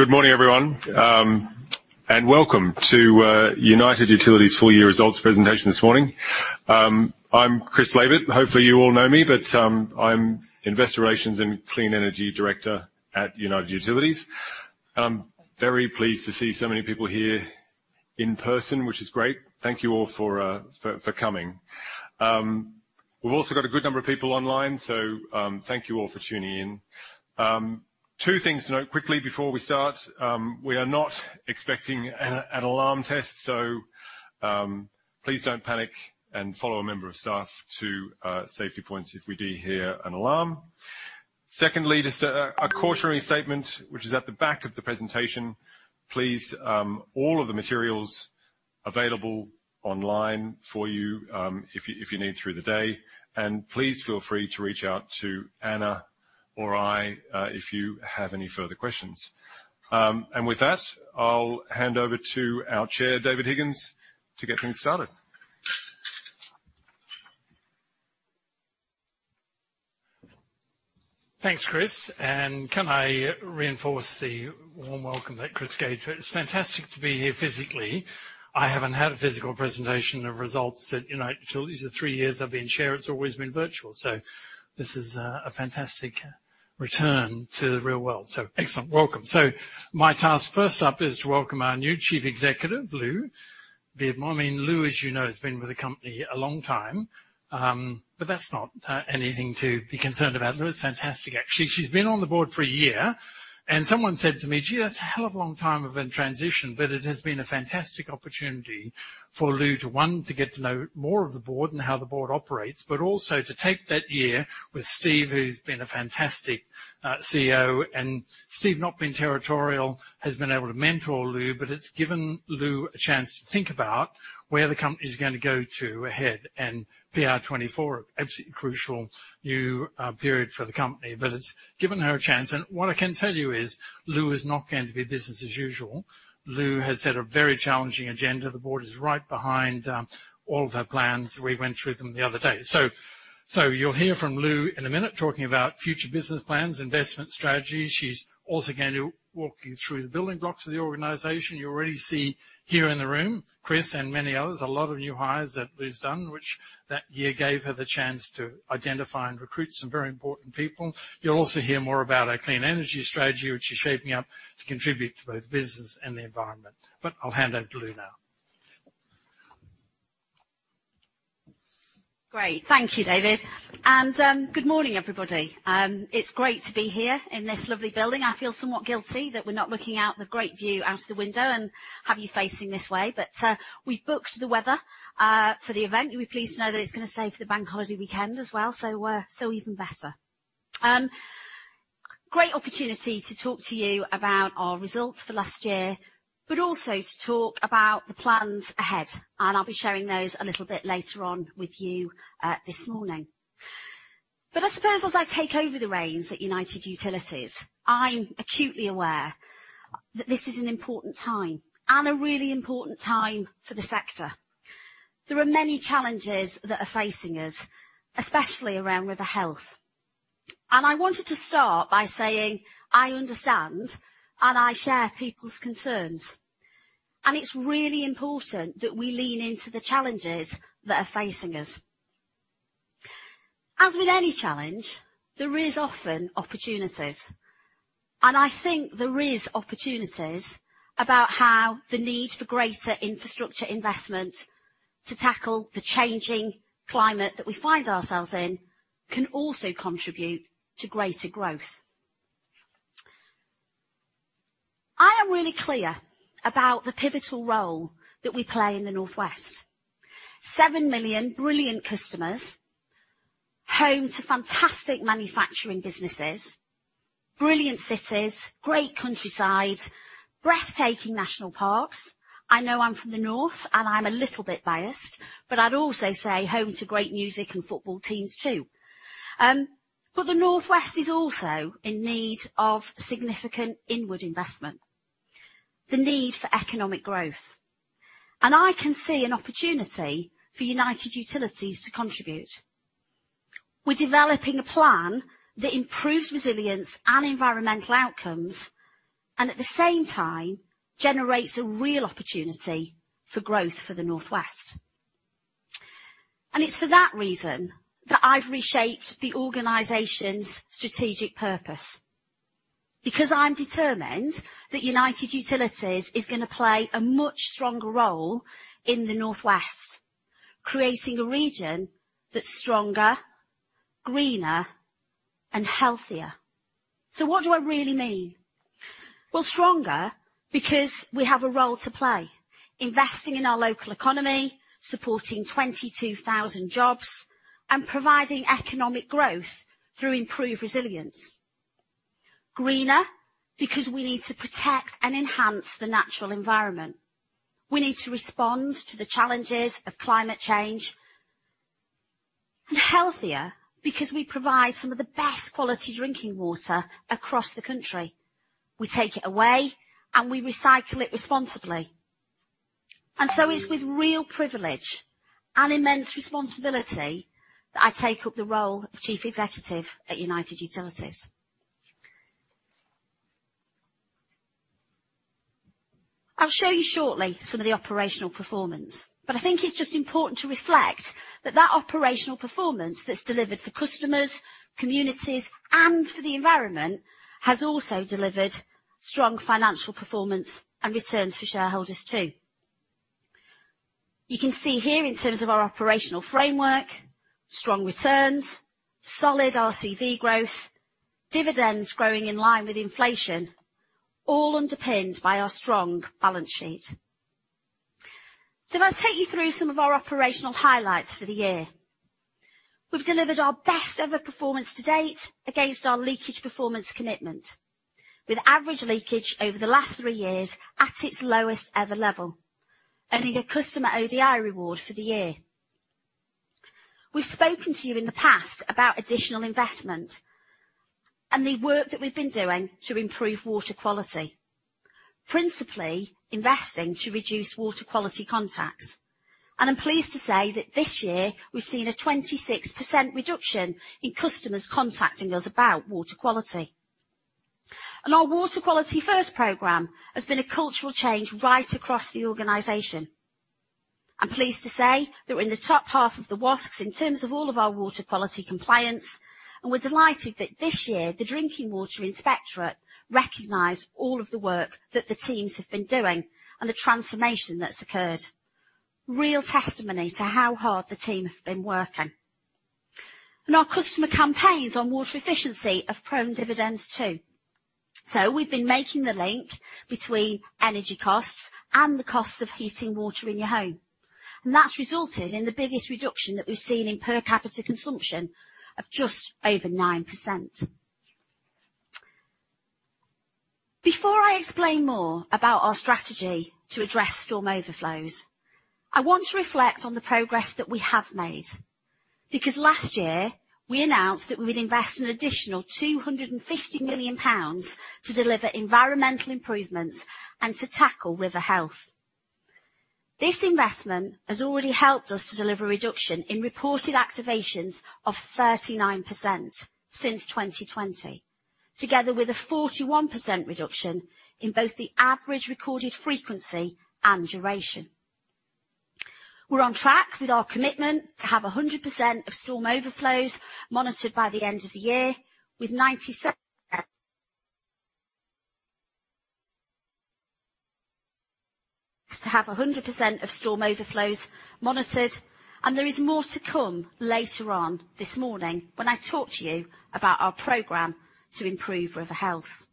Good morning, everyone, welcome to United Utilities' full year results presentation this morning. I'm Chris Laybutt. Hopefully, you all know me, but I'm Investor Relations and Clean Energy Director at United Utilities. I'm very pleased to see so many people here in person, which is great. Thank you all for coming. We've also got a good number of people online, so thank you all for tuning in. Two things to note quickly before we start. We are not expecting an alarm test, so please don't panic and follow a member of staff to safety points if we do hear an alarm. Secondly, just a cautionary statement, which is at the back of the presentation. Please, all of the materials available online for you, if you need through the day, and please feel free to reach out to Anna or I, if you have any further questions. With that, I'll hand over to our chair, David Higgins, to get things started. Thanks, Chris. Can I reinforce the warm welcome that Chris gave? It's fantastic to be here physically. I haven't had a physical presentation of results at United... These are three years I've been chair, it's always been virtual, so this is a fantastic return to the real world. Excellent, welcome. My task first up is to welcome our new Chief Executive, Louise Beardmore. Louise, as you know, has been with the company a long time. But that's not anything to be concerned about Louise. It's fantastic actually. She's been on the board for a year, someone said to me, "Gee, that's a hell of a long time of a transition." It has been a fantastic opportunity for Louise to, one, to get to know more of the board and how the board operates, but also to take that year with Steve, who's been a fantastic CEO. Steve, not being territorial, has been able to mentor Louise, but it's given Louise a chance to think about where the company's gonna go to ahead. PR24, absolutely crucial new period for the company, but it's given her a chance, and what I can tell you is, Louise is not going to be business as usual. Louise has set a very challenging agenda. The board is right behind all of her plans. We went through them the other day. You'll hear from Louise in a minute, talking about future business plans, investment strategy. She's also going to walk you through the building blocks of the organization. You already see here in the room, Chris and many others, a lot of new hires that Louise's done, which that year gave her the chance to identify and recruit some very important people. You'll also hear more about our clean energy strategy, which is shaping up to contribute to both business and the environment. I'll hand over to Louise now. Great. Thank you, David, good morning, everybody. It's great to be here in this lovely building. I feel somewhat guilty that we're not looking out the great view out of the window and have you facing this way, but we booked the weather for the event. You'll be pleased to know that it's gonna stay for the bank holiday weekend as well, so even better. Great opportunity to talk to you about our results for last year, but also to talk about the plans ahead, and I'll be sharing those a little bit later on with you this morning. I suppose as I take over the reins at United Utilities, I'm acutely aware that this is an important time, and a really important time for the sector. There are many challenges that are facing us, especially around river health. I wanted to start by saying I understand, and I share people's concerns, and it's really important that we lean into the challenges that are facing us. As with any challenge, there is often opportunities, and I think there is opportunities about how the need for greater infrastructure investment to tackle the changing climate that we find ourselves in, can also contribute to greater growth. I am really clear about the pivotal role that we play in the North West. 7 million brilliant customers, home to fantastic manufacturing businesses, brilliant cities, great countryside, breathtaking national parks. I know I'm from the North, and I'm a little bit biased, but I'd also say home to great music and football teams, too. The North West is also in need of significant inward investment, the need for economic growth, and I can see an opportunity for United Utilities to contribute. We're developing a plan that improves resilience and environmental outcomes, at the same time, generates a real opportunity for growth for the North West. It's for that reason that I've reshaped the organization's strategic purpose, because I'm determined that United Utilities is gonna play a much stronger role in the North West, creating a region that's stronger, greener, and healthier. What do I really mean? Well, stronger, because we have a role to play, investing in our local economy, supporting 22,000 jobs, and providing economic growth through improved resilience. Greener, because we need to protect and enhance the natural environment. We need to respond to the challenges of climate change. Healthier, because we provide some of the best quality drinking water across the country. We take it away, and we recycle it responsibly. It's with real privilege and immense responsibility that I take up the role of Chief Executive at United Utilities. I'll show you shortly some of the operational performance, I think it's just important to reflect that that operational performance that's delivered for customers, communities, and for the environment, has also delivered strong financial performance and returns for shareholders, too. You can see here, in terms of our operational framework, strong returns, solid RCV growth, dividends growing in line with inflation, all underpinned by our strong balance sheet. If I take you through some of our operational highlights for the year. We've delivered our best ever performance to date against our leakage performance commitment, with average leakage over the last three years at its lowest ever level, earning a customer ODI reward for the year. We've spoken to you in the past about additional investment and the work that we've been doing to improve water quality, principally investing to reduce water quality contacts. I'm pleased to say that this year we've seen a 26% reduction in customers contacting us about water quality. Our Water Quality First program has been a cultural change right across the organization. I'm pleased to say that we're in the top half of the WaSCs in terms of all of our water quality compliance, and we're delighted that this year, the Drinking Water Inspectorate recognized all of the work that the teams have been doing and the transformation that's occurred. Real testimony to how hard the team have been working. Our customer campaigns on water efficiency have thrown dividends, too. We've been making the link between energy costs and the costs of heating water in your home, and that's resulted in the biggest reduction that we've seen in per capita consumption of just over 9%. Before I explain more about our strategy to address storm overflows, I want to reflect on the progress that we have made, because last year we announced that we would invest an additional 250 million pounds to deliver environmental improvements and to tackle river health. This investment has already helped us to deliver a reduction in reported activations of 39% since 2020, together with a 41% reduction in both the average recorded frequency and duration. We're on track with our commitment to have 100% of storm overflows monitored by the end of the year, to have 100% of storm overflows monitored. There is more to come later on this morning when I talk to you about our program to improve river health.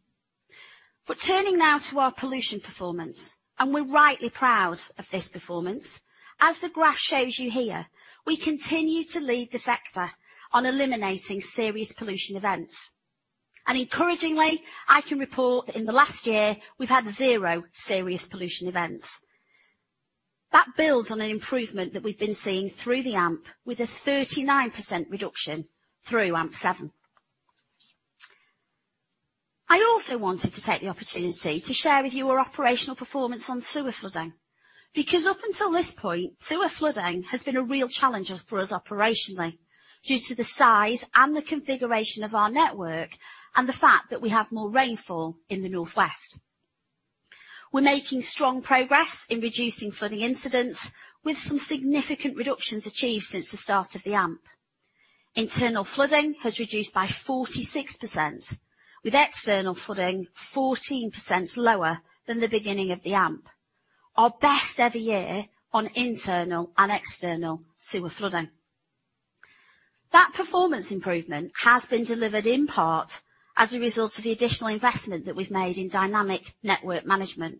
Turning now to our pollution performance, we're rightly proud of this performance. As the graph shows you here, we continue to lead the sector on eliminating serious pollution events. Encouragingly, I can report that in the last year we've had zero serious pollution events. That builds on an improvement that we've been seeing through the AMP, with a 39% reduction through AMP7. I also wanted to take the opportunity to share with you our operational performance on sewer flooding, because up until this point, sewer flooding has been a real challenge for us operationally, due to the size and the configuration of our network and the fact that we have more rainfall in the North West. We're making strong progress in reducing flooding incidents, with some significant reductions achieved since the start of the AMP. Internal flooding has reduced by 46%, with external flooding 14% lower than the beginning of the AMP. Our best ever year on internal and external sewer flooding. That performance improvement has been delivered in part as a result of the additional investment that we've made in Dynamic Network Management,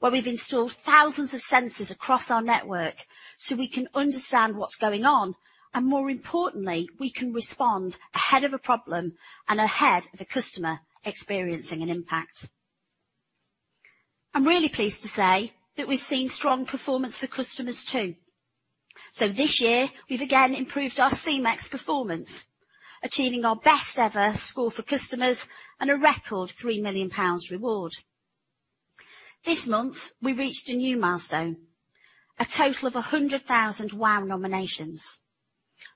where we've installed thousands of sensors across our network so we can understand what's going on, and more importantly, we can respond ahead of a problem and ahead of a customer experiencing an impact. I'm really pleased to say that we've seen strong performance for customers, too. This year, we've again improved our C-MeX performance, achieving our best ever score for customers and a record 3 million pounds reward. This month, we reached a new milestone, a total of 100,000 WOW nominations.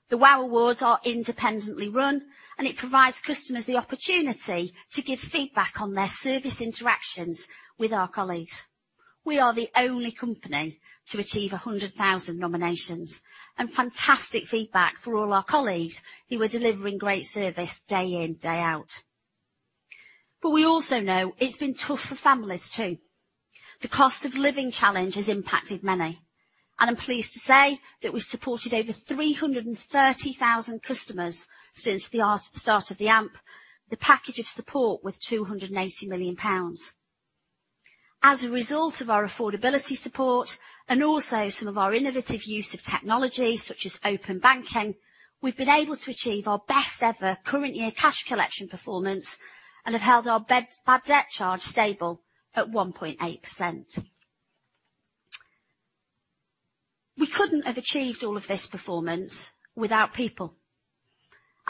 The WOW awards are independently run, and it provides customers the opportunity to give feedback on their service interactions with our colleagues. We are the only company to achieve 100,000 nominations, fantastic feedback for all our colleagues, who are delivering great service day in, day out. We also know it's been tough for families, too. The cost of living challenge has impacted many, I'm pleased to say that we supported over 330,000 customers since the start of the AMP, the package of support worth 280 million pounds. As a result of our affordability support and also some of our innovative use of technologies such as open banking, we've been able to achieve our best ever current year cash collection performance and have held our bad debt charge stable at 1.8%. We couldn't have achieved all of this performance without people.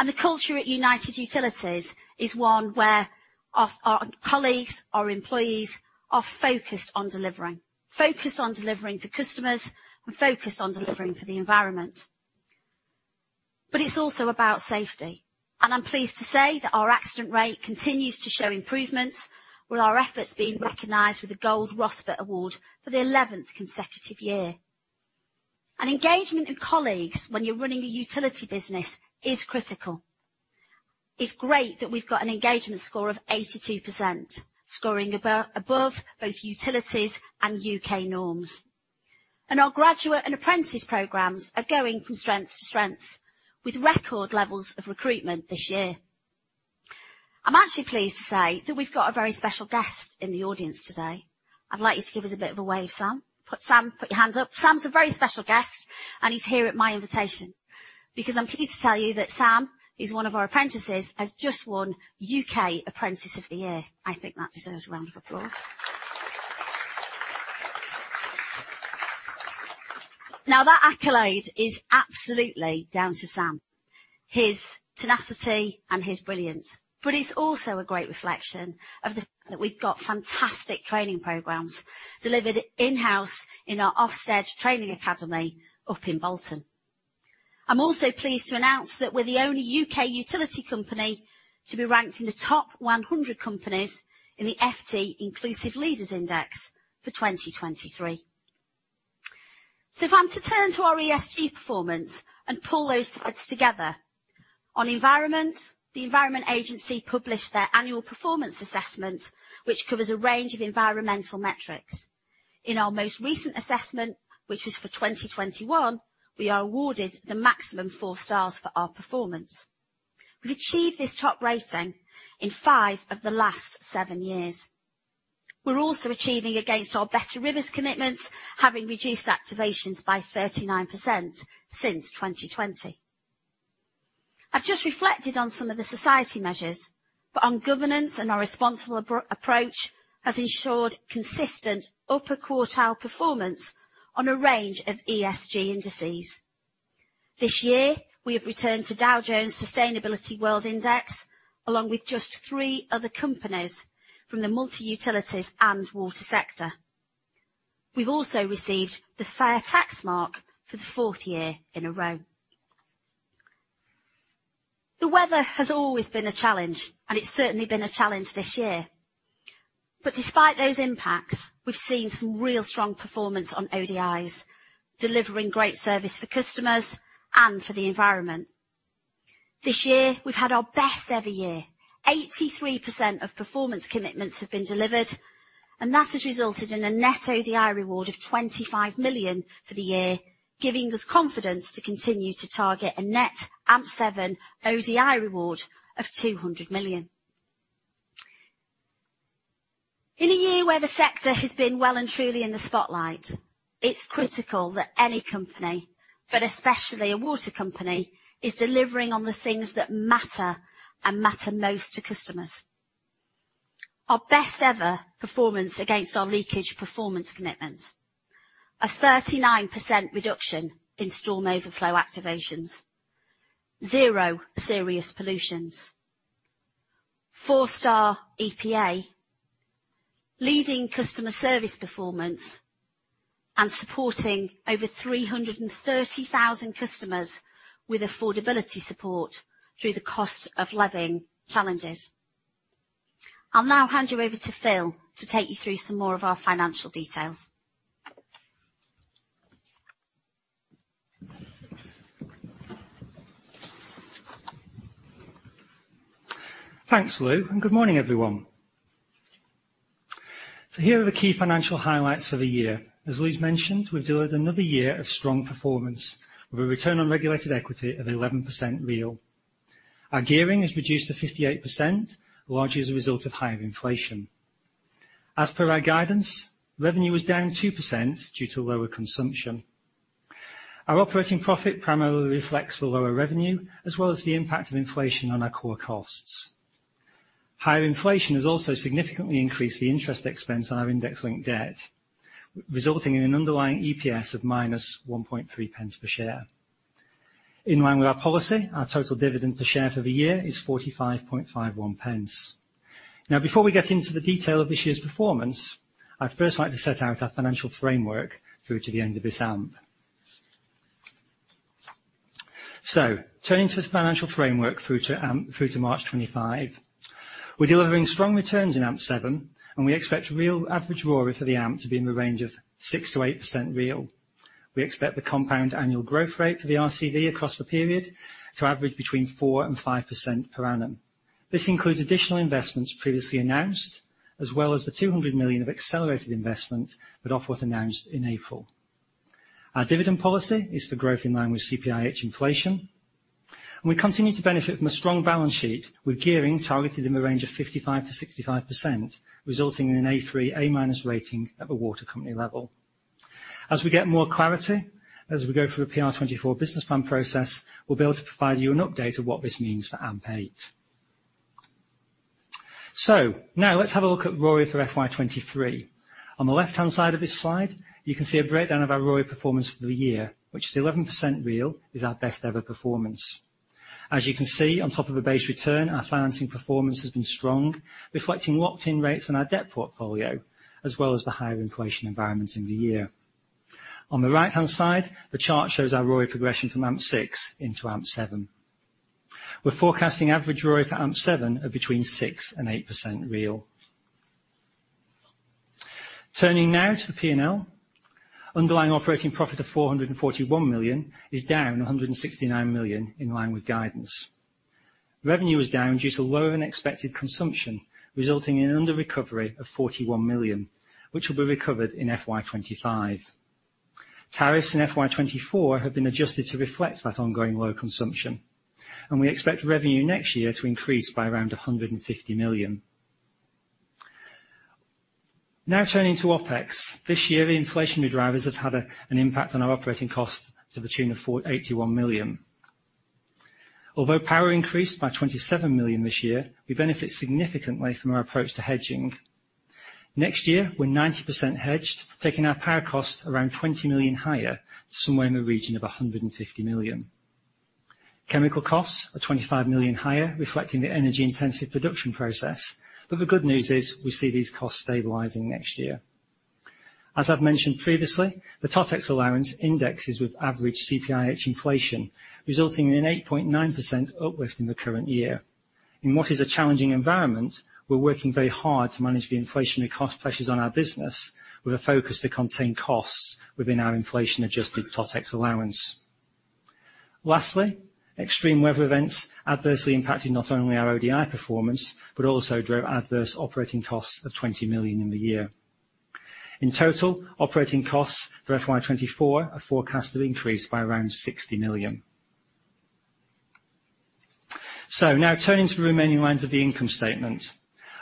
The culture at United Utilities is one where our colleagues, our employees, are focused on delivering. Focused on delivering for customers, focused on delivering for the environment. It's also about safety, and I'm pleased to say that our accident rate continues to show improvements, with our efforts being recognized with a Gold RoSPA award for the eleventh consecutive year. Engagement of colleagues when you're running a utility business is critical. It's great that we've got an engagement score of 82%, scoring above both utilities and U.K. norms. Our graduate and apprentice programs are going from strength to strength, with record levels of recruitment this year. I'm actually pleased to say that we've got a very special guest in the audience today. I'd like you to give us a bit of a wave, Sam. Sam, put your hands up. Sam's a very special guest, and he's here at my invitation, because I'm pleased to tell you that Sam, he's one of our apprentices, has just won National Apprentice of the Year. I think that deserves a round of applause. That accolade is absolutely down to Sam, his tenacity and his brilliance, but it's also a great reflection that we've got fantastic training programs delivered in-house in our Technical Training Academy up in Bolton. I'm also pleased to announce that we're the only U.K. utility company to be ranked in the top 100 companies in the FT Diversity Leaders for 2023. If I'm to turn to our ESG performance and pull those threads together. On environment, the Environment Agency published their annual performance assessment, which covers a range of environmental metrics. In our most recent assessment, which was for 2021, we are awarded the maximum four stars for our performance. We've achieved this top rating in five of the last seven years. We're also achieving against our Better Rivers commitments, having reduced activations by 39% since 2020. I've just reflected on some of the society measures, on governance and our responsible approach, has ensured consistent upper quartile performance on a range of ESG indices. This year, we have returned to Dow Jones Sustainability World Index, along with just three other companies from the multi-utilities and water sector. We've also received the Fair Tax Mark for the fourth year in a row. The weather has always been a challenge, it's certainly been a challenge this year. Despite those impacts, we've seen some real strong performance on ODI, delivering great service for customers and for the environment. This year, we've had our best ever year. 83% of performance commitments have been delivered, and that has resulted in a net ODI reward of 25 million for the year, giving us confidence to continue to target a net AMP7 ODI reward of GBP 200 million. In a year where the sector has been well and truly in the spotlight, it's critical that any company, but especially a water company, is delivering on the things that matter, and matter most to customers. Our best ever performance against our leakage performance commitment, a 39% reduction in storm overflow activations, zero serious pollutions, four-star EPA, leading customer service performance, and supporting over 330,000 customers with affordability support through the cost of living challenges. I'll now hand you over to Phil to take you through some more of our financial details. Thanks, Louise, and good morning, everyone. Here are the key financial highlights for the year. As Louise's mentioned, we've delivered another year of strong performance with a return on regulated equity of 11% real. Our gearing is reduced to 58%, largely as a result of higher inflation. As per our guidance, revenue is down 2% due to lower consumption. Our operating profit primarily reflects the lower revenue, as well as the impact of inflation on our core costs. Higher inflation has also significantly increased the interest expense on our index linked debt, resulting in an underlying EPS of -0.013 per share. In line with our policy, our total dividend per share for the year is 0.4551. Before we get into the detail of this year's performance, I'd first like to set out our financial framework through to the end of this AMP. Turning to the financial framework through to March 2025. We're delivering strong returns in AMP7, and we expect real average ROA for the AMP to be in the range of 6%-8% real. We expect the compound annual growth rate for the RCV across the period to average between 4%-5% per annum. This includes additional investments previously announced, as well as the 200 million of accelerated investment that Ofwat announced in April. Our dividend policy is for growth in line with CPIH inflation. We continue to benefit from a strong balance sheet, with gearing targeted in the range of 55%-65%, resulting in an A3, A- rating at the water company level. As we get more clarity, as we go through the PR24 business plan process, we'll be able to provide you an update of what this means for AMP8. Now let's have a look at ROI for FY 2023. On the left-hand side of this slide, you can see a breakdown of our ROI performance for the year, which the 11% real is our best ever performance. As you can see, on top of a base return, our financing performance has been strong, reflecting locked-in rates on our debt portfolio, as well as the higher inflation environment in the year. On the right-hand side, the chart shows our ROI progression from AMP6 into AMP7. We're forecasting average ROI for AMP7 of between 6% and 8% real. Turning now to the P&L. Underlying operating profit of 441 million is down 169 million, in line with guidance. Revenue is down due to lower than expected consumption, resulting in an under recovery of 41 million, which will be recovered in FY 2025. Tariffs in FY 2024 have been adjusted to reflect that ongoing low consumption, and we expect revenue next year to increase by around 150 million. Now, turning to OpEx. This year, the inflationary drivers have had an impact on our operating costs to the tune of 81 million. Although power increased by 27 million this year, we benefit significantly from our approach to hedging. Next year, we're 90% hedged, taking our power costs around 20 million higher, somewhere in the region of 150 million. Chemical costs are 25 million higher, reflecting the energy-intensive production process. The good news is, we see these costs stabilizing next year. As I've mentioned previously, the Totex allowance indexes with average CPIH inflation, resulting in an 8.9% uplift in the current year. In what is a challenging environment, we're working very hard to manage the inflationary cost pressures on our business, with a focus to contain costs within our inflation-adjusted Totex allowance. Lastly, extreme weather events adversely impacted not only our ODI performance, but also drove adverse operating costs of 20 million in the year. In total, operating costs for FY 2024 are forecasted to increase by around GBP 60 million. Now turning to the remaining lines of the income statement.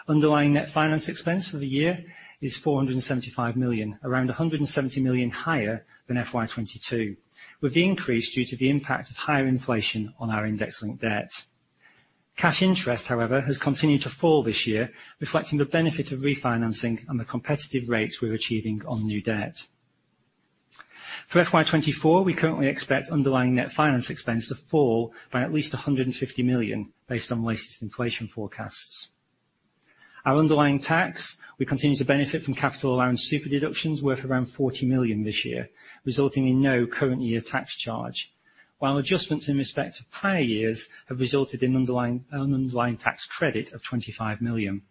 Underlying net finance expense for the year is 475 million, around 170 million higher than FY 2022, with the increase due to the impact of higher inflation on our index-linked debt. Cash interest, however, has continued to fall this year, reflecting the benefit of refinancing and the competitive rates we're achieving on new debt. For FY 2024, we currently expect underlying net finance expense to fall by at least 150 million, based on latest inflation forecasts. Our underlying tax, we continue to benefit from capital allowance super deductions worth around 40 million this year, resulting in no current year tax charge, while adjustments in respect of prior years have resulted in an underlying tax credit of 25 million.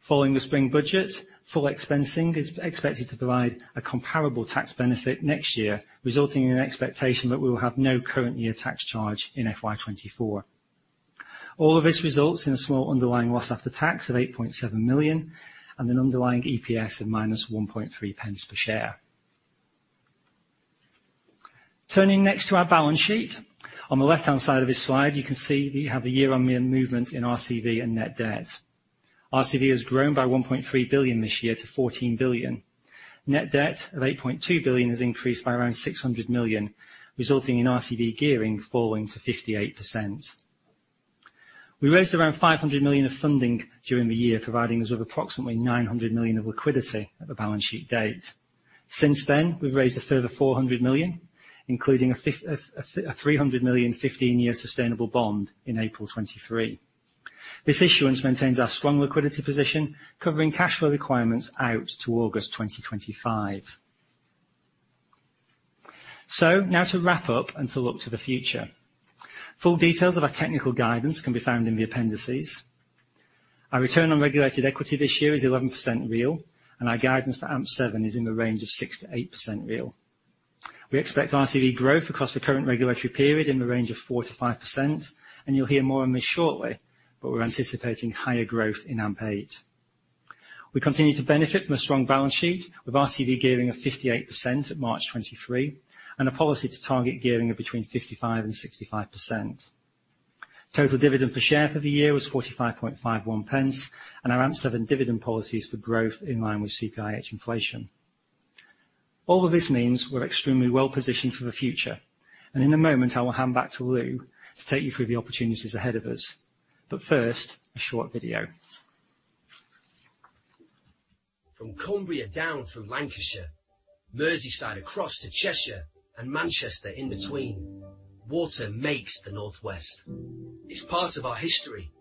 Following the spring budget, full expensing is expected to provide a comparable tax benefit next year, resulting in an expectation that we will have no current year tax charge in FY 2024. All of this results in a small underlying loss after tax of 8.7 million and an underlying EPS of minus 0.013 per share. Turning next to our balance sheet. On the left-hand side of this slide, you can see we have a year on year movement in RCV and net debt. RCV has grown by 1.3 billion this year to 14 billion. Net debt of 8.2 billion has increased by around 600 million, resulting in RCV gearing falling to 58%. We raised around 500 million of funding during the year, providing us with approximately 900 million of liquidity at the balance sheet date. We've raised a further 400 million, including a 300 million 15-year sustainable bond in April 2023. This issuance maintains our strong liquidity position, covering cash flow requirements out to August 2025. To wrap up and to look to the future. Full details of our technical guidance can be found in the appendices. Our return on regulated equity this year is 11% real, and our guidance for AMP7 is in the range of 6%-8% real. We expect RCV growth across the current regulatory period in the range of 4%-5%, you'll hear more on this shortly, but we're anticipating higher growth in AMP8. We continue to benefit from a strong balance sheet, with RCV gearing of 58% at March 2023, and a policy to target gearing of between 55% and 65%. Total dividend per share for the year was 45.51 pence, and our AMP7 dividend policy is for growth in line with CPIH inflation. All of this means we're extremely well positioned for the future, and in a moment, I will hand back to Louise to take you through the opportunities ahead of us. First, a short video. From Cumbria down through Lancashire, Merseyside across to Cheshire, and Manchester in between, water makes the North West. It's part of our history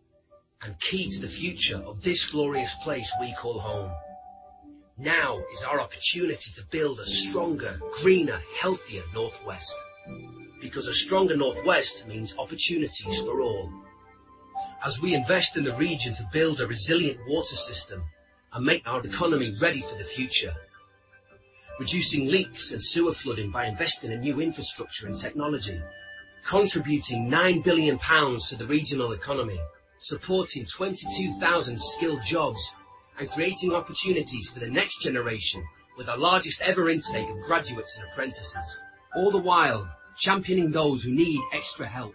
and key to the future of this glorious place we call home. Now is our opportunity to build a stronger, greener, healthier North West, because a stronger North West means opportunities for all. As we invest in the region to build a resilient water system and make our economy ready for the future, reducing leaks and sewer flooding by investing in new infrastructure and technology, contributing 9 billion pounds to the regional economy, supporting 22,000 skilled jobs, and creating opportunities for the next generation with our largest ever intake of graduates and apprentices. All the while, championing those who need extra help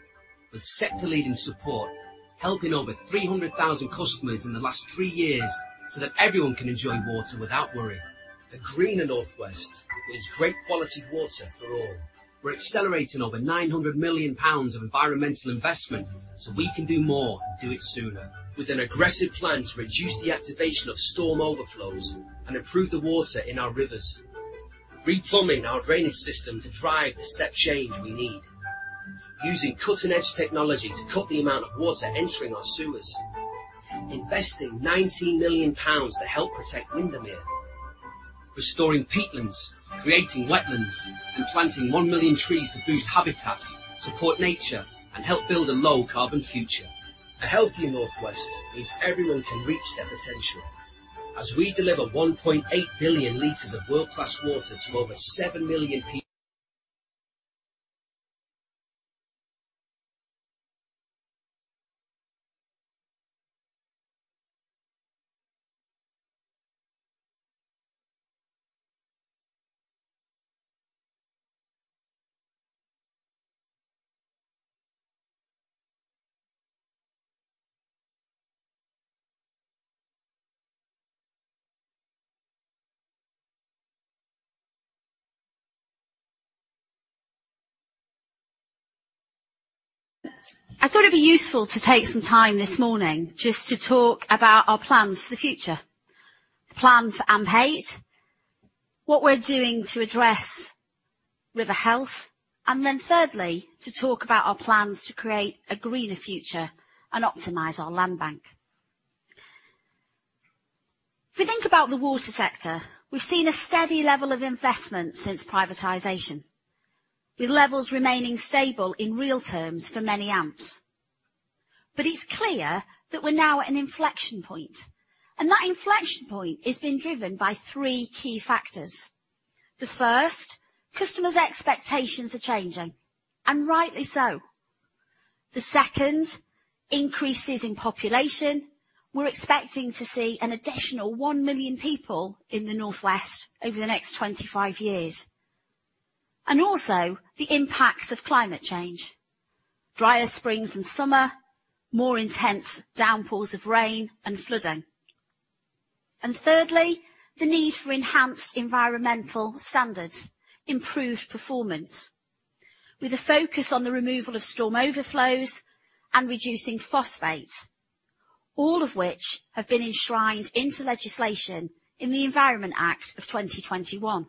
with sector-leading support, helping over 300,000 customers in the last three years so that everyone can enjoy water without worry. A greener North West means great quality water for all. We're accelerating over 900 million pounds of environmental investment. We can do more, and do it sooner. With an aggressive plan to reduce the activation of storm overflows and improve the water in our rivers, replumbing our drainage system to drive the step change we need. Using cutting-edge technology to cut the amount of water entering our sewers. Investing 90 million pounds to help protect Windermere. Restoring peatlands, creating wetlands, and planting 1 million trees to boost habitats, support nature, and help build a low-carbon future. A healthier North West means everyone can reach their potential. As we deliver 1.8 billion liters of world-class water to over 7 million people. I thought it'd be useful to take some time this morning just to talk about our plans for the future. The plan for AMP8, what we're doing to address river health, thirdly, to talk about our plans to create a greener future and optimize our land bank. If we think about the water sector, we've seen a steady level of investment since privatization, with levels remaining stable in real terms for many AMPs. It's clear that we're now at an inflection point, that inflection point is being driven by three key factors. The first, customers' expectations are changing, and rightly so. The second, increases in population. We're expecting to see an additional 1 million people in the North West over the next 25 years. Also, the impacts of climate change, drier springs and summer, more intense downpours of rain and flooding. Thirdly, the need for enhanced environmental standards, improved performance, with a focus on the removal of storm overflows and reducing phosphates, all of which have been enshrined into legislation in the Environment Act 2021.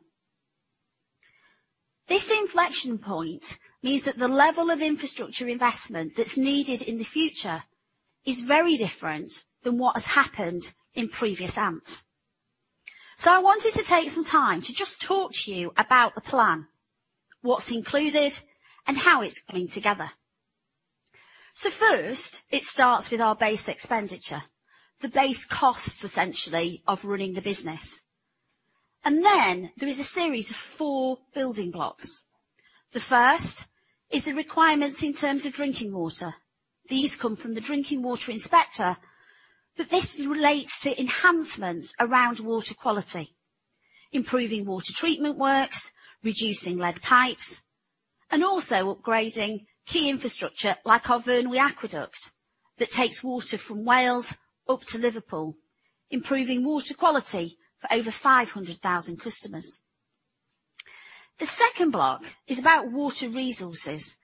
This inflection point means that the level of infrastructure investment that's needed in the future is very different than what has happened in previous AMPs. I wanted to take some time to just talk to you about the plan, what's included, and how it's coming together. First, it starts with our base expenditure, the base costs, essentially, of running the business, and then there is a series of four building blocks. The first is the requirements in terms of drinking water. These come from the Drinking Water Inspectorate, but this relates to enhancements around water quality, improving water treatment works, reducing lead pipes, and also upgrading key infrastructure like our Vyrnwy Aqueduct, that takes water from Wales up to Liverpool, improving water quality for over 500,000 customers. The second block is about water resources,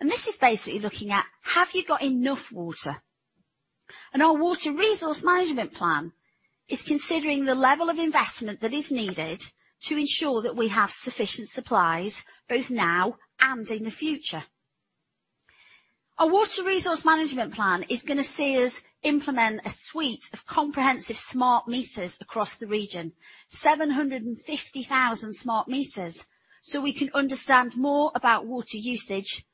and this is basically looking at: have you got enough water? Our Water Resource Management Plan is considering the level of investment that is needed to ensure that we have sufficient supplies, both now and in the future. Our Water Resource Management Plan is gonna see us implement a suite of comprehensive smart meters across the region, 750,000 smart meters, so we can understand more about water usage,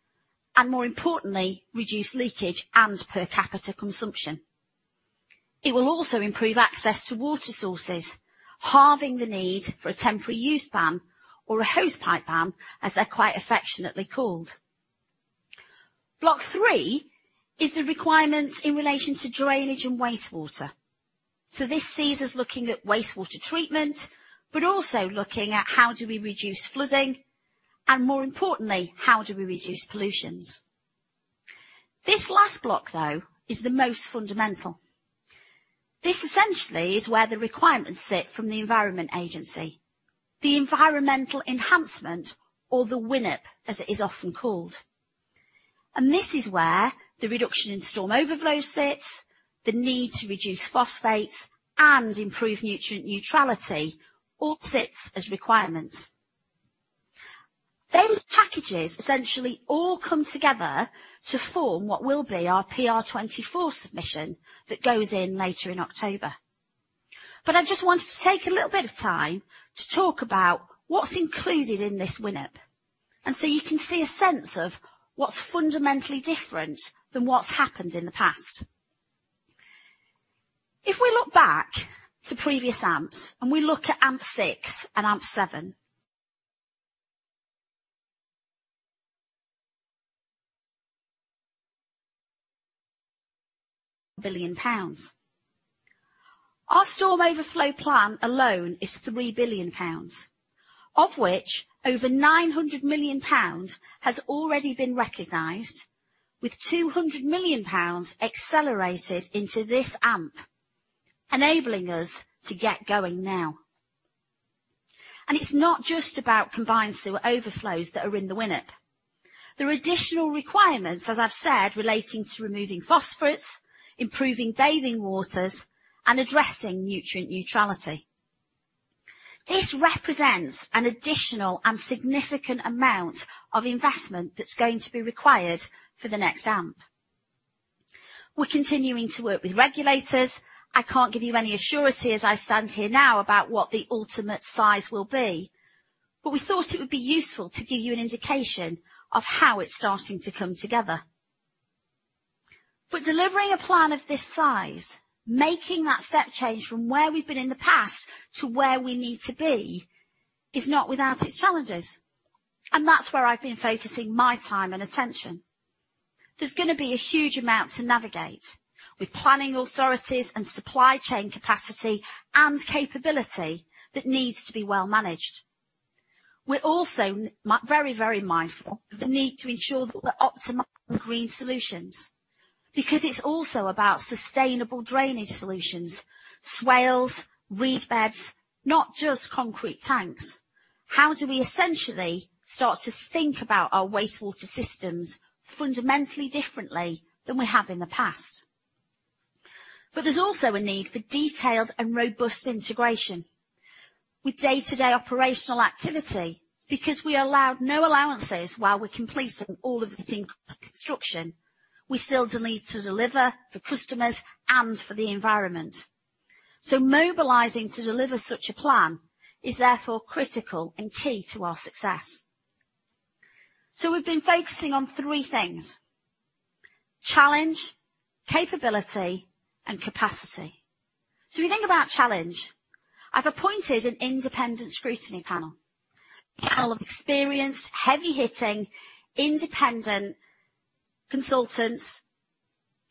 and more importantly, reduce leakage and per capita consumption. It will also improve access to water sources, halving the need for a temporary use ban or a hosepipe ban, as they're quite affectionately called. Block three is the requirements in relation to drainage and wastewater. This sees us looking at wastewater treatment, but also looking at how do we reduce flooding, and more importantly, how do we reduce pollutions? This last block, though, is the most fundamental. This essentially is where the requirements sit from the Environment Agency, the environmental enhancement or the WINEP, as it is often called. This is where the reduction in storm overflow sits, the need to reduce phosphates and improve nutrient neutrality all sits as requirements. Those packages essentially all come together to form what will be our PR24 submission that goes in later in October. I just wanted to take a little bit of time to talk about what's included in this WINEP. You can see a sense of what's fundamentally different than what's happened in the past. If we look back to previous AMPs, and we look at AMP6 and AMP7, billion pounds. Our storm overflow plan alone is 3 billion pounds, of which over 900 million pounds has already been recognized, with 200 million pounds accelerated into this AMP, enabling us to get going now. It's not just about combined sewer overflows that are in the WINEP. There are additional requirements, as I've said, relating to removing phosphates, improving bathing waters, and addressing nutrient neutrality. This represents an additional and significant amount of investment that's going to be required for the next AMP. We're continuing to work with regulators. I can't give you any assurance as I stand here now, about what the ultimate size will be, we thought it would be useful to give you an indication of how it's starting to come together. Delivering a plan of this size, making that step change from where we've been in the past to where we need to be, is not without its challenges, and that's where I've been focusing my time and attention. There's going to be a huge amount to navigate, with planning authorities and supply chain capacity and capability that needs to be well managed. We're also very, very mindful of the need to ensure that we're optimizing green solutions, because it's also about sustainable drainage solutions, swales, reed beds, not just concrete tanks. How do we essentially start to think about our wastewater systems fundamentally differently than we have in the past? There's also a need for detailed and robust integration with day-to-day operational activity, because we allowed no allowances while we're completing all of the increased construction, we still need to deliver for customers and for the environment. Mobilizing to deliver such a plan is therefore critical and key to our success. We've been focusing on three things: challenge, capability, and capacity. We think about challenge. I've appointed an independent scrutiny panel, a panel of experienced, heavy-hitting, independent consultants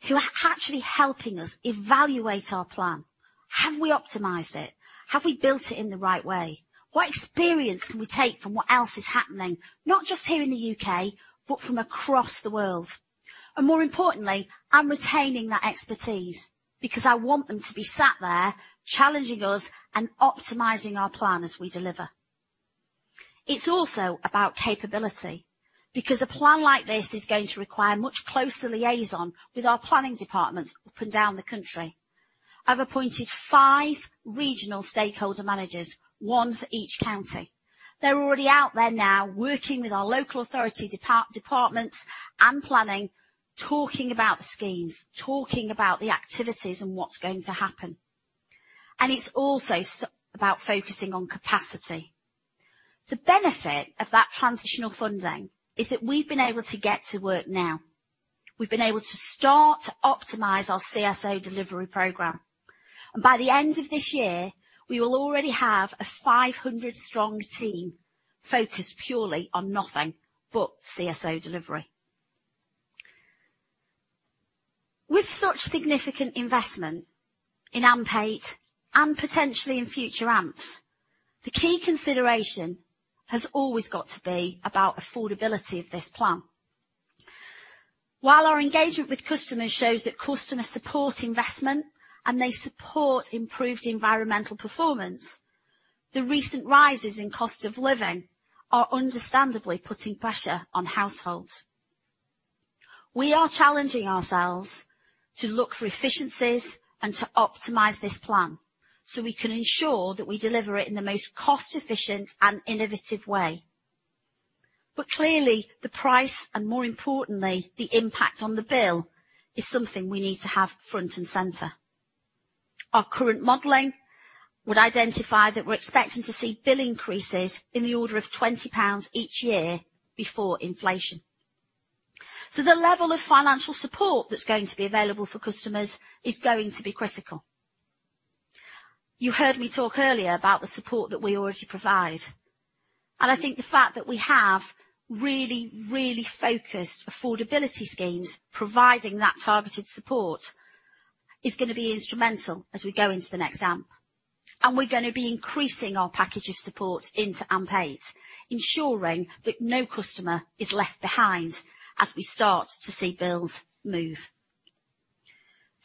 who are actually helping us evaluate our plan. Have we optimized it? Have we built it in the right way? What experience can we take from what else is happening, not just here in the UK, but from across the world? More importantly, I'm retaining that expertise because I want them to be sat there, challenging us and optimizing our plan as we deliver. It's also about capability, because a plan like this is going to require much closer liaison with our planning departments up and down the country. I've appointed five regional stakeholder managers, one for each county. They're already out there now, working with our local authority departments and planning, talking about the schemes, talking about the activities and what's going to happen. It's also about focusing on capacity. The benefit of that transitional funding is that we've been able to get to work now. We've been able to start to optimize our CSO delivery program, and by the end of this year, we will already have a 500-strong team focused purely on nothing but CSO delivery. With such significant investment in AMP8, and potentially in future AMPs, the key consideration has always got to be about affordability of this plan. While our engagement with customers shows that customers support investment and they support improved environmental performance, the recent rises in cost of living are understandably putting pressure on households. We are challenging ourselves to look for efficiencies and to optimize this plan, so we can ensure that we deliver it in the most cost-efficient and innovative way. Clearly, the price, and more importantly, the impact on the bill, is something we need to have front and center. Our current modeling would identify that we're expecting to see bill increases in the order of 20 pounds each year before inflation. The level of financial support that's going to be available for customers is going to be critical. You heard me talk earlier about the support that we already provide, I think the fact that we have really focused affordability schemes, providing that targeted support, is gonna be instrumental as we go into the next AMP. We're gonna be increasing our package of support into AMP8, ensuring that no customer is left behind as we start to see bills move.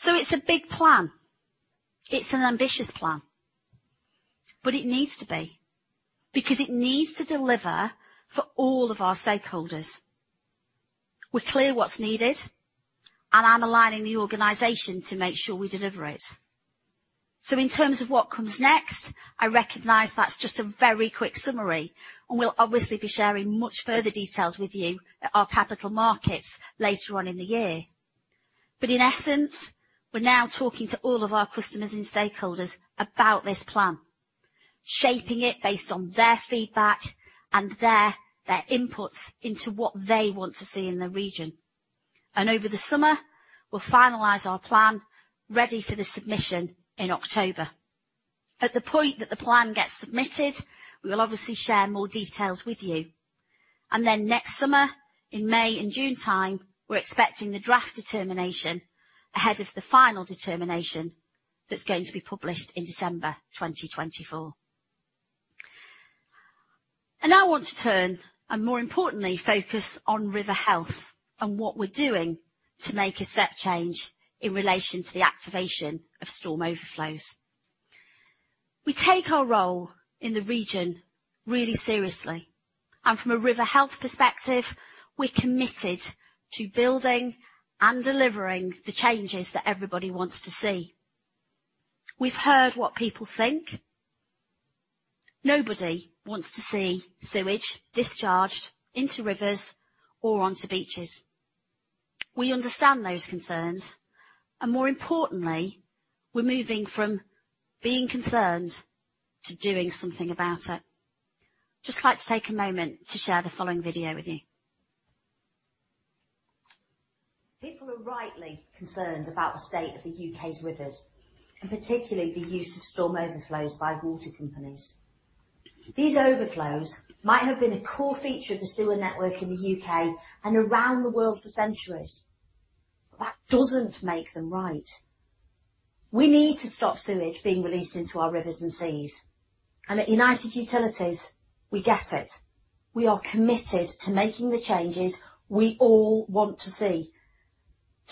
It's a big plan. It's an ambitious plan, it needs to be, because it needs to deliver for all of our stakeholders. We're clear what's needed, I'm aligning the organization to make sure we deliver it. In terms of what comes next, I recognize that's just a very quick summary, we'll obviously be sharing much further details with you at our capital markets later on in the year. In essence, we're now talking to all of our customers and stakeholders about this plan, shaping it based on their feedback and their inputs into what they want to see in the region. Over the summer, we'll finalize our plan, ready for the submission in October. At the point that the plan gets submitted, we will obviously share more details with you. Then next summer, in May and June time, we're expecting the draft determination ahead of the final determination that's going to be published in December 2024. Now I want to turn, and more importantly, focus on river health and what we're doing to make a step change in relation to the activation of storm overflows. We take our role in the region really seriously, and from a river health perspective, we're committed to building and delivering the changes that everybody wants to see. We've heard what people think. Nobody wants to see sewage discharged into rivers or onto beaches. We understand those concerns. More importantly, we're moving from being concerned to doing something about it. Just like to take a moment to share the following video with you. People are rightly concerned about the state of the UK's rivers, particularly the use of storm overflows by water companies. These overflows might have been a core feature of the sewer network in the UK and around the world for centuries. That doesn't make them right. We need to stop sewage being released into our rivers and seas. At United Utilities, we get it. We are committed to making the changes we all want to see.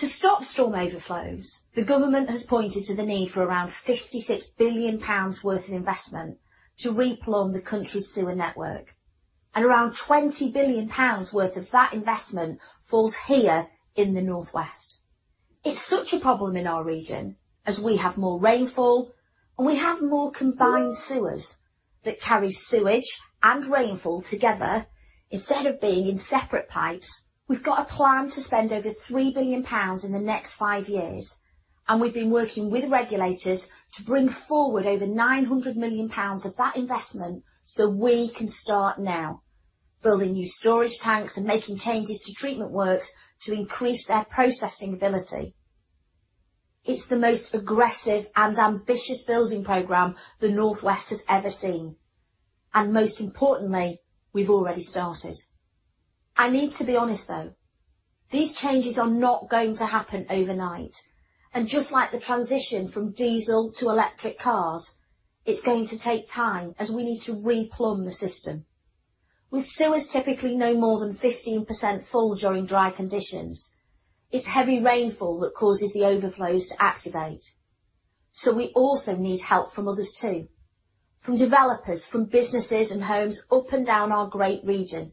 To stop storm overflows, the government has pointed to the need for around 56 billion pounds worth of investment to replumb the country's sewer network, and around 20 billion pounds worth of that investment falls here in the North West. It's such a problem in our region as we have more rainfall, and we have more combined sewers that carry sewage and rainfall together instead of being in separate pipes. We've got a plan to spend over 3 billion pounds in the next five years, and we've been working with regulators to bring forward over 900 million pounds of that investment, so we can start now, building new storage tanks and making changes to treatment works to increase their processing ability. It's the most aggressive and ambitious building program the North West has ever seen, and most importantly, we've already started. I need to be honest, though, these changes are not going to happen overnight, and just like the transition from diesel to electric cars, it's going to take time as we need to replumb the system. With sewers typically no more than 15% full during dry conditions, it's heavy rainfall that causes the overflows to activate. We also need help from others, too, from developers, from businesses and homes up and down our great region,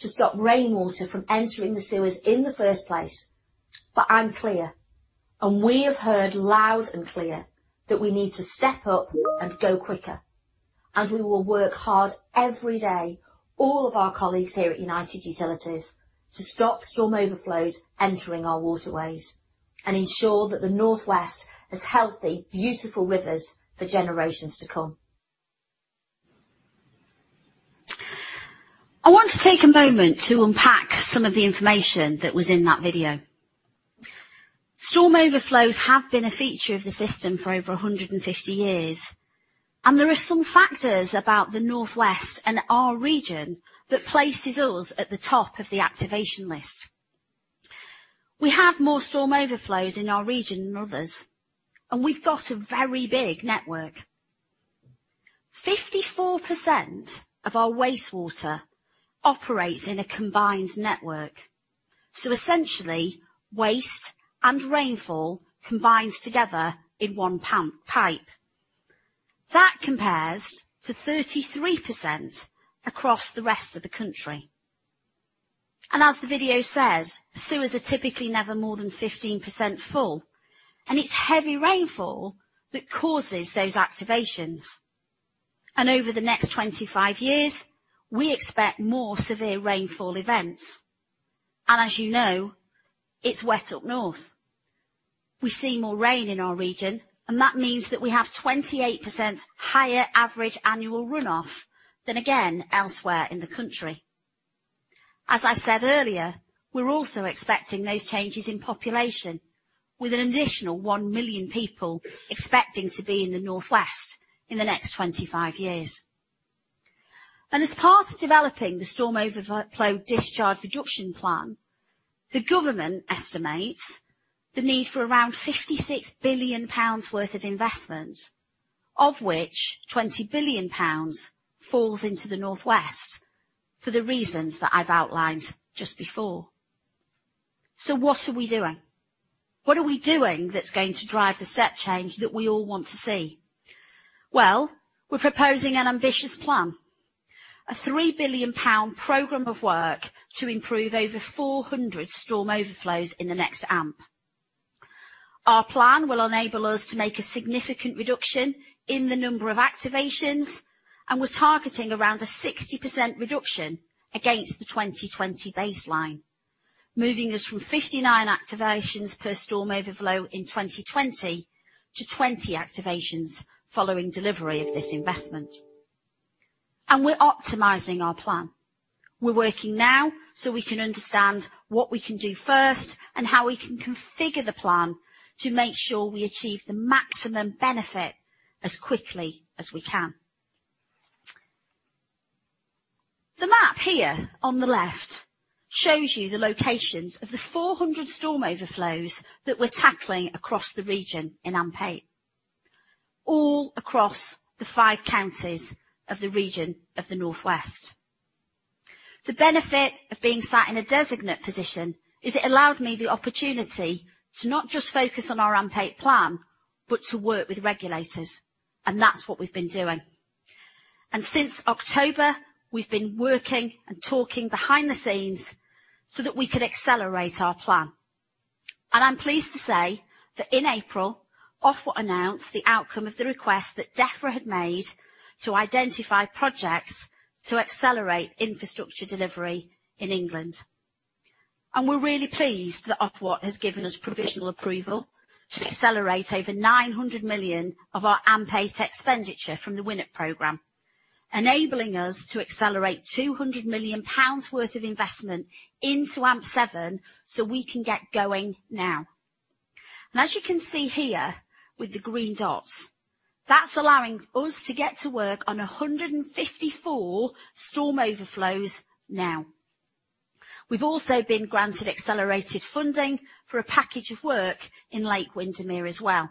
to stop rainwater from entering the sewers in the first place. I'm clear, and we have heard loud and clear, that we need to step up and go quicker. We will work hard every day, all of our colleagues here at United Utilities, to stop storm overflows entering our waterways and ensure that the North West has healthy, beautiful rivers for generations to come. I want to take a moment to unpack some of the information that was in that video. Storm overflows have been a feature of the system for over 150 years. There are some factors about the North West and our region that places us at the top of the activation list. We have more storm overflows in our region than others, and we've got a very big network. 54% of our wastewater operates in a combined network, so essentially, waste and rainfall combines together in one pipe. That compares to 33% across the rest of the country. As the video says, sewers are typically never more than 15% full, and it's heavy rainfall that causes those activations. Over the next 25 years, we expect more severe rainfall events, and as you know, it's wet up north. We see more rain in our region, that means that we have 28% higher average annual runoff than again, elsewhere in the country. As I said earlier, we're also expecting those changes in population, with an additional 1 million people expecting to be in the North West in the next 25 years. As part of developing the Storm Overflow Discharge Reduction Plan, the government estimates the need for around 56 billion pounds worth of investment, of which 20 billion pounds falls into the North West for the reasons that I've outlined just before. What are we doing? What are we doing that's going to drive the step change that we all want to see? Well, we're proposing an ambitious plan, a 3 billion pound program of work to improve over 400 storm overflows in the next AMP. Our plan will enable us to make a significant reduction in the number of activations. We're targeting around a 60% reduction against the 2020 baseline, moving us from 59 activations per storm overflow in 2020 to 20 activations following delivery of this investment. We're optimizing our plan. We're working now so we can understand what we can do first and how we can configure the plan to make sure we achieve the maximum benefit as quickly as we can. The map here on the left shows you the locations of the 400 storm overflows that we're tackling across the region in AMP8, all across the five counties of the region of the North West. The benefit of being sat in a designate position, is it allowed me the opportunity to not just focus on our AMP8 plan, but to work with regulators, and that's what we've been doing. Since October, we've been working and talking behind the scenes so that we could accelerate our plan. I'm pleased to say that in April, Ofwat announced the outcome of the request that Defra had made to identify projects to accelerate infrastructure delivery in England. We're really pleased that Ofwat has given us provisional approval to accelerate over 900 million of our AMP8 expenditure from the WINEP program, enabling us to accelerate 200 million pounds worth of investment into AMP7, so we can get going now. As you can see here with the green dots, that's allowing us to get to work on 154 storm overflows now. We've also been granted accelerated funding for a package of work in Lake Windermere as well.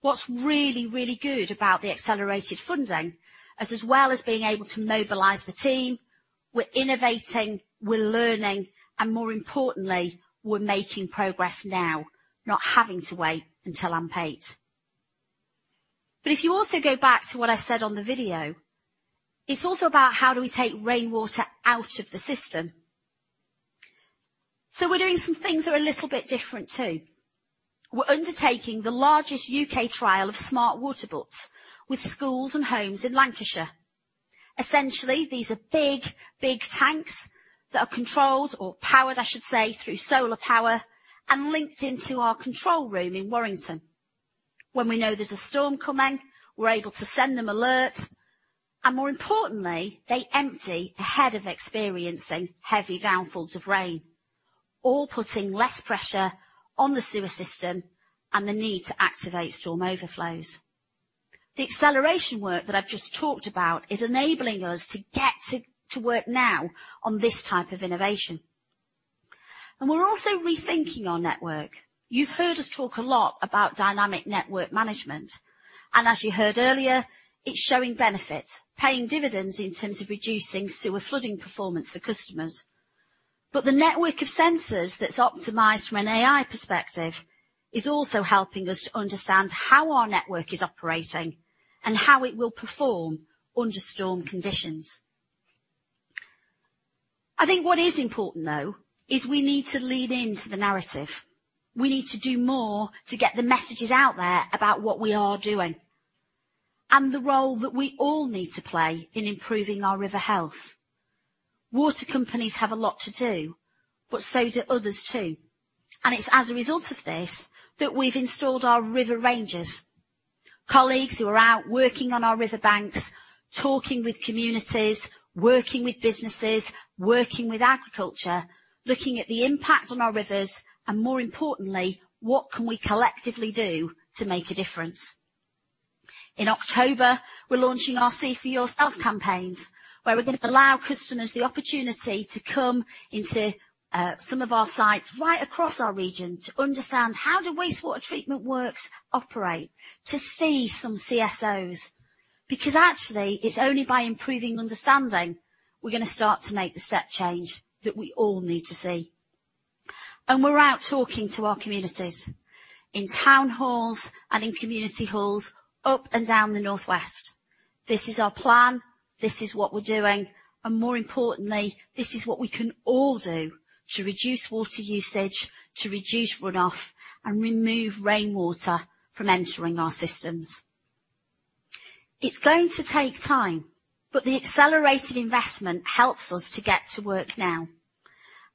What's really, really good about the accelerated funding, is as well as being able to mobilize the team, we're innovating, we're learning, and more importantly, we're making progress now, not having to wait until AMP8. If you also go back to what I said on the video, it's also about how do we take rainwater out of the system? We're doing some things that are a little bit different, too. We're undertaking the largest U.K. trial of smart water butts with schools and homes in Lancashire. Essentially, these are big, big tanks that are controlled or powered, I should say, through solar power and linked into our control room in Warrington. When we know there's a storm coming, we're able to send them alerts, and more importantly, they empty ahead of experiencing heavy downfalls of rain, all putting less pressure on the sewer system and the need to activate storm overflows. The acceleration work that I've just talked about is enabling us to get to work now on this type of innovation. We're also rethinking our network. You've heard us talk a lot about Dynamic Network Management, and as you heard earlier, it's showing benefits, paying dividends in terms of reducing sewer flooding performance for customers. The network of sensors that's optimized from an AI perspective is also helping us to understand how our network is operating and how it will perform under storm conditions. I think what is important, though, is we need to lean into the narrative. We need to do more to get the messages out there about what we are doing and the role that we all need to play in improving our river health. Water companies have a lot to do, but so do others, too, and it's as a result of this that we've installed our River Rangers. Colleagues who are out working on our river banks, talking with communities, working with businesses, working with agriculture, looking at the impact on our rivers, and more importantly, what can we collectively do to make a difference? In October, we're launching our See for Yourself campaigns, where we're gonna allow customers the opportunity to come into some of our sites right across our region to understand how the wastewater treatment works operate, to see some CSOs, because actually, it's only by improving understanding, we're gonna start to make the step change that we all need to see. We're out talking to our communities, in town halls and in community halls up and down the North West. This is our plan, this is what we're doing, and more importantly, this is what we can all do to reduce water usage, to reduce runoff, and remove rainwater from entering our systems. It's going to take time. The accelerated investment helps us to get to work now,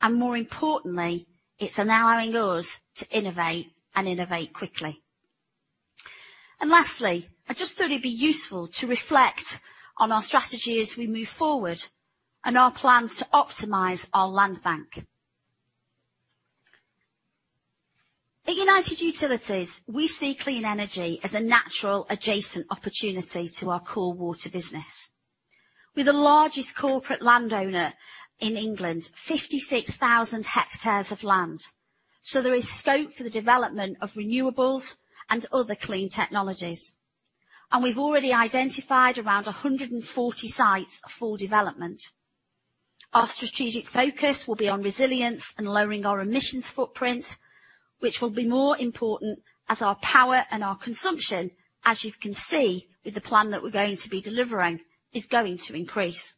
and more importantly, it's allowing us to innovate and innovate quickly. Lastly, I just thought it'd be useful to reflect on our strategy as we move forward and our plans to optimize our land bank. At United Utilities, we see clean energy as a natural adjacent opportunity to our core water business. We're the largest corporate landowner in England, 56,000 hectares of land, there is scope for the development of renewables and other clean technologies. We've already identified around 140 sites for development. Our strategic focus will be on resilience and lowering our emissions footprint, which will be more important as our power and our consumption, as you can see, with the plan that we're going to be delivering, is going to increase.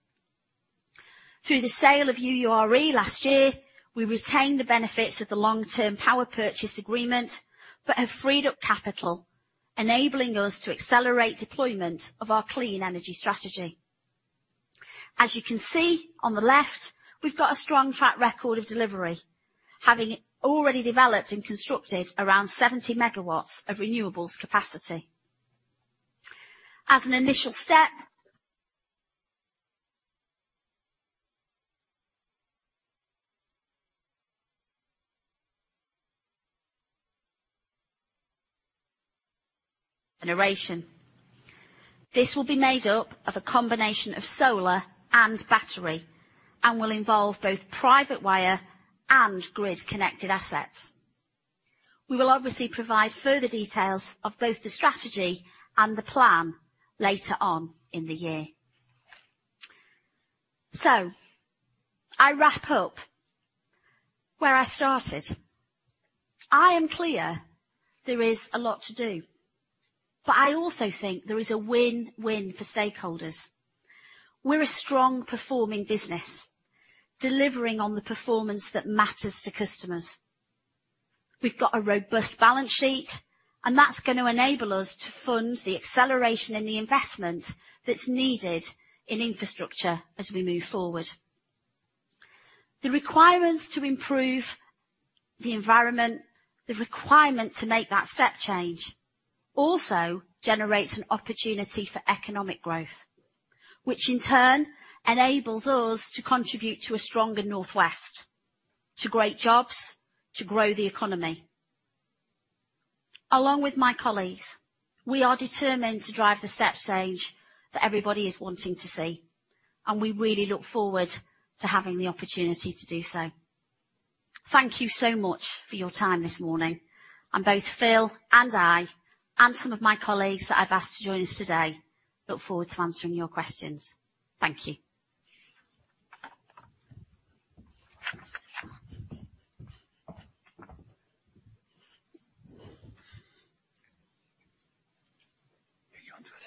Through the sale of UURE last year, we retained the benefits of the long-term power purchase agreement, but have freed up capital, enabling us to accelerate deployment of our clean energy strategy. As you can see on the left, we've got a strong track record of delivery, having already developed and constructed around 70 megawatts of renewables capacity. As an initial step... generation... This will be made up of a combination of solar and battery, and will involve both private wire and grid-connected assets. We will obviously provide further details of both the strategy and the plan later on in the year. I wrap up where I started. I am clear there is a lot to do, but I also think there is a win-win for stakeholders. We're a strong performing business, delivering on the performance that matters to customers. We've got a robust balance sheet, and that's going to enable us to fund the acceleration in the investment that's needed in infrastructure as we move forward. The requirements to improve the environment, the requirement to make that step change, also generates an opportunity for economic growth, which in turn enables us to contribute to a stronger North West, to great jobs, to grow the economy. Along with my colleagues, we are determined to drive the step change that everybody is wanting to see, and we really look forward to having the opportunity to do so. Thank you so much for your time this morning. Both Phil and I, and some of my colleagues that I've asked to join us today, look forward to answering your questions. Thank you. You want to do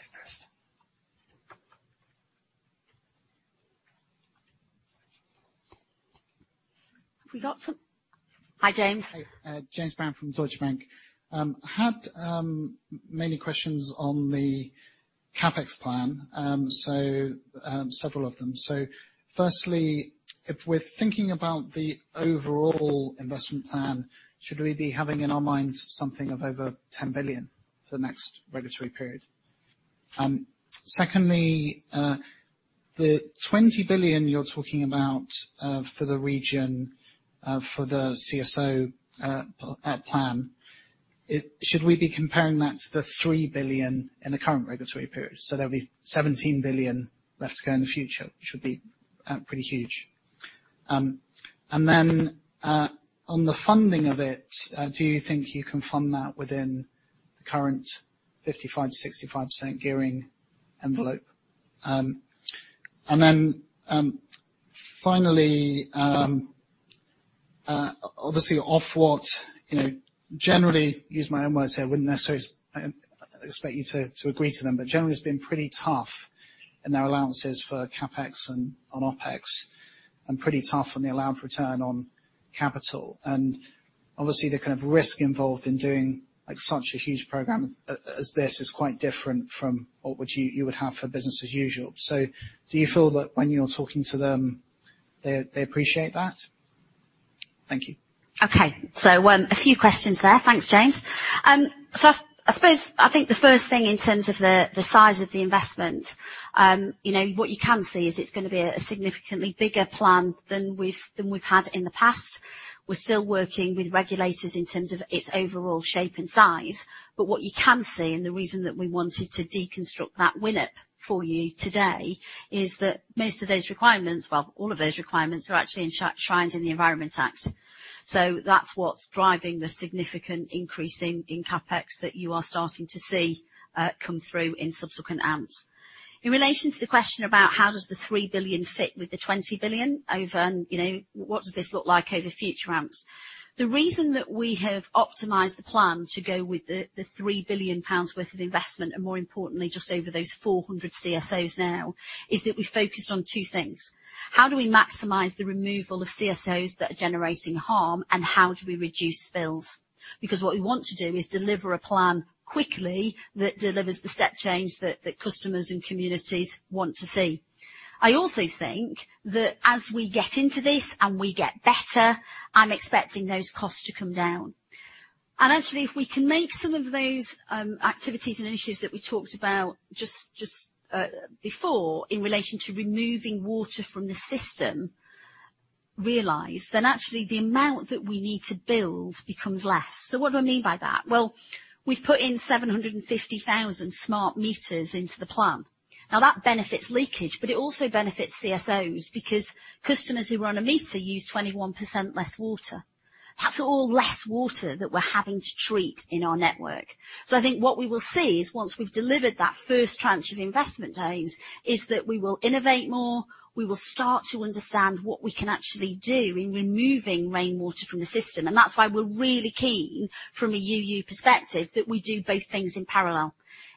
it first? Hi, James. Hi, James Brown from Deutsche Bank. Had many questions on the CapEx plan, several of them. Firstly, if we're thinking about the overall investment plan, should we be having in our mind something of over 10 billion for the next regulatory period? Secondly, the 20 billion you're talking about for the region, for the CSO plan, should we be comparing that to the 3 billion in the current regulatory period? There'll be 17 billion left to go in the future, which should be pretty huge. Then on the funding of it, do you think you can fund that within the current 55%-65% gearing envelope? Obviously, Ofwat, you know, generally, use my own words here, I wouldn't necessarily expect you to agree to them, but generally has been pretty tough in their allowances for CapEx and on OpEx, and pretty tough on the allowed return on capital. Obviously, the kind of risk involved in doing, like, such a huge program as this is quite different from what you would have for business as usual. Do you feel that when you're talking to them, they appreciate that? Thank you. Okay. A few questions there. Thanks, James. I think the first thing in terms of the size of the investment, you know, what you can see is it's gonna be a significantly bigger plan than we've had in the past. We're still working with regulators in terms of its overall shape and size, what you can see, and the reason that we wanted to deconstruct that WINEP for you today, is that most of those requirements, well, all of those requirements, are actually enshrined in the Environment Act. That's what's driving the significant increase in CapEx that you are starting to see come through in subsequent AMPs. In relation to the question about how does the 3 billion fit with the 20 billion over, you know, what does this look like over future AMPs? The reason that we have optimized the plan to go with the 3 billion pounds worth of investment, and more importantly, just over those 400 CSOs now, is that we focused on two things: How do we maximize the removal of CSOs that are generating harm, and how do we reduce spills? What we want to do is deliver a plan quickly that delivers the step change that customers and communities want to see. I also think that as we get into this and we get better, I'm expecting those costs to come down. Actually, if we can make some of those activities and initiatives that we talked about just before, in relation to removing water from the system, realize, then actually the amount that we need to build becomes less. What do I mean by that? We've put in 750,000 smart meters into the plan. That benefits leakage, but it also benefits CSOs, because customers who are on a meter use 21% less water. That's all less water that we're having to treat in our network. I think what we will see is, once we've delivered that first tranche of investment, James, is that we will innovate more, we will start to understand what we can actually do in removing rainwater from the system. That's why we're really keen, from a UU perspective, that we do both things in parallel.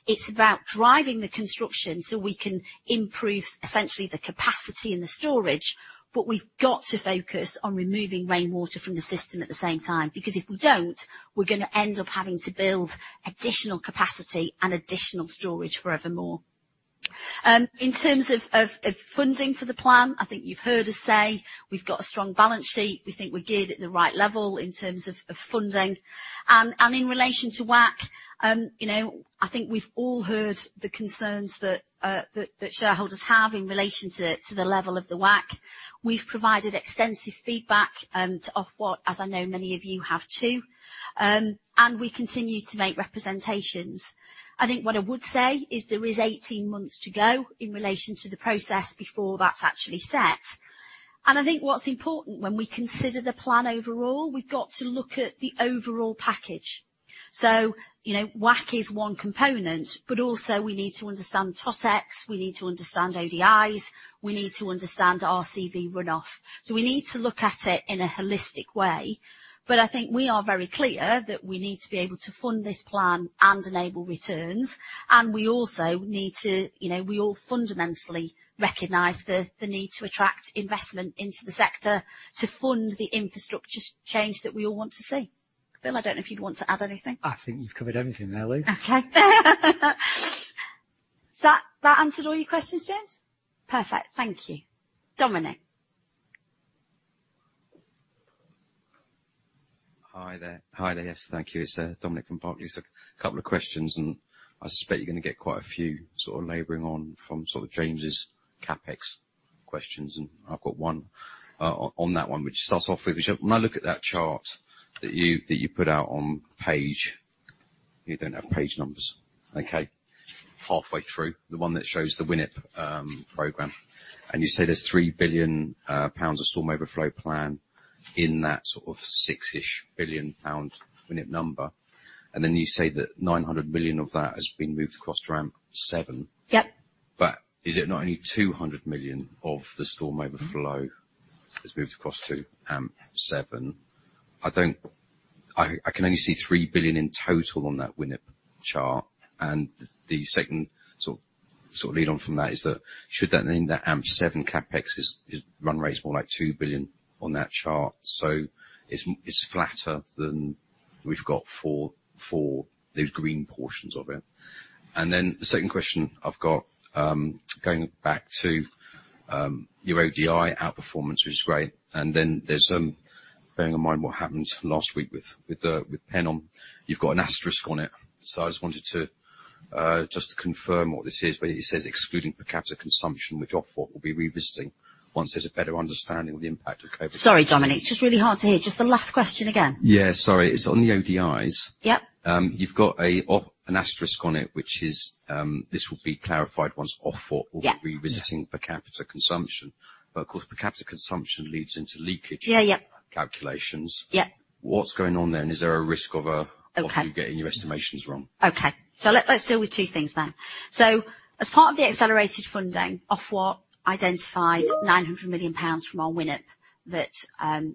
It's about driving the construction so we can improve essentially the capacity and the storage. We've got to focus on removing rainwater from the system at the same time, because if we don't, we're gonna end up having to build additional capacity and additional storage forevermore. In terms of funding for the plan, I think you've heard us say we've got a strong balance sheet. We think we're geared at the right level in terms of funding. In relation to WACC, you know, I think we've all heard the concerns that shareholders have in relation to the level of the WACC. We've provided extensive feedback to Ofwat, as I know many of you have, too. We continue to make representations. I think what I would say is there is 18 months to go in relation to the process before that's actually set. I think what's important when we consider the plan overall, we've got to look at the overall package. You know, WACC is one component, but also we need to understand Totex, we need to understand ODIs, we need to understand RCV run-off. We need to look at it in a holistic way. I think we are very clear that we need to be able to fund this plan and enable returns, and we also need to, you know, we all fundamentally recognize the need to attract investment into the sector to fund the infrastructure change that we all want to see. Phil, I don't know if you'd want to add anything? I think you've covered everything there, Louise. Okay. That answered all your questions, James? Perfect. Thank you. Dominic. Hi there. Hi there, yes, thank you. It's Dominic from Barclays. A couple of questions. I suspect you're going to get quite a few, sort of laboring on from sort of changes, CapEx questions. I've got one on that one, which starts off with the ship. When I look at that chart that you, that you put out on page... You don't have page numbers. Okay. Halfway through, the one that shows the WINEP program. You say there's 3 billion pounds of storm overflow plan in that sort of GBP six-ish billion WINEP number. Then you say that 900 million of that has been moved across to AMP7. Yep. Is it not only 200 million of the Storm Overflow. Mm-hmm. has moved across to seven? I can only see 3 billion in total on that WINEP chart. The second, sort of, lead on from that is that, should that mean that AMP7 CapEx run rate is more like 2 billion on that chart, so it's flatter than we've got for those green portions of it. The second question I've got, going back to your ODI outperformance, which is great, Bearing in mind what happened last week with Pennon Group, you've got an asterisk on it. I wanted to confirm what this is, it says, "Excluding per capita consumption, which Ofwat will be revisiting once there's a better understanding of the impact of COVID. Sorry, Dominic, it's just really hard to hear. Just the last question again. Yeah, sorry. It's on the ODIs. Yep. You've got a an asterisk on it, which is, this will be clarified once Ofwat- Yeah will be revisiting per capita consumption. Of course, per capita consumption leads into leakage- Yeah, yeah. -calculations. Yeah. What's going on there, and is there a risk of? Okay you getting your estimations wrong? Okay. Let's deal with two things. As part of the accelerated funding, Ofwat identified 900 million pounds from our WINEP that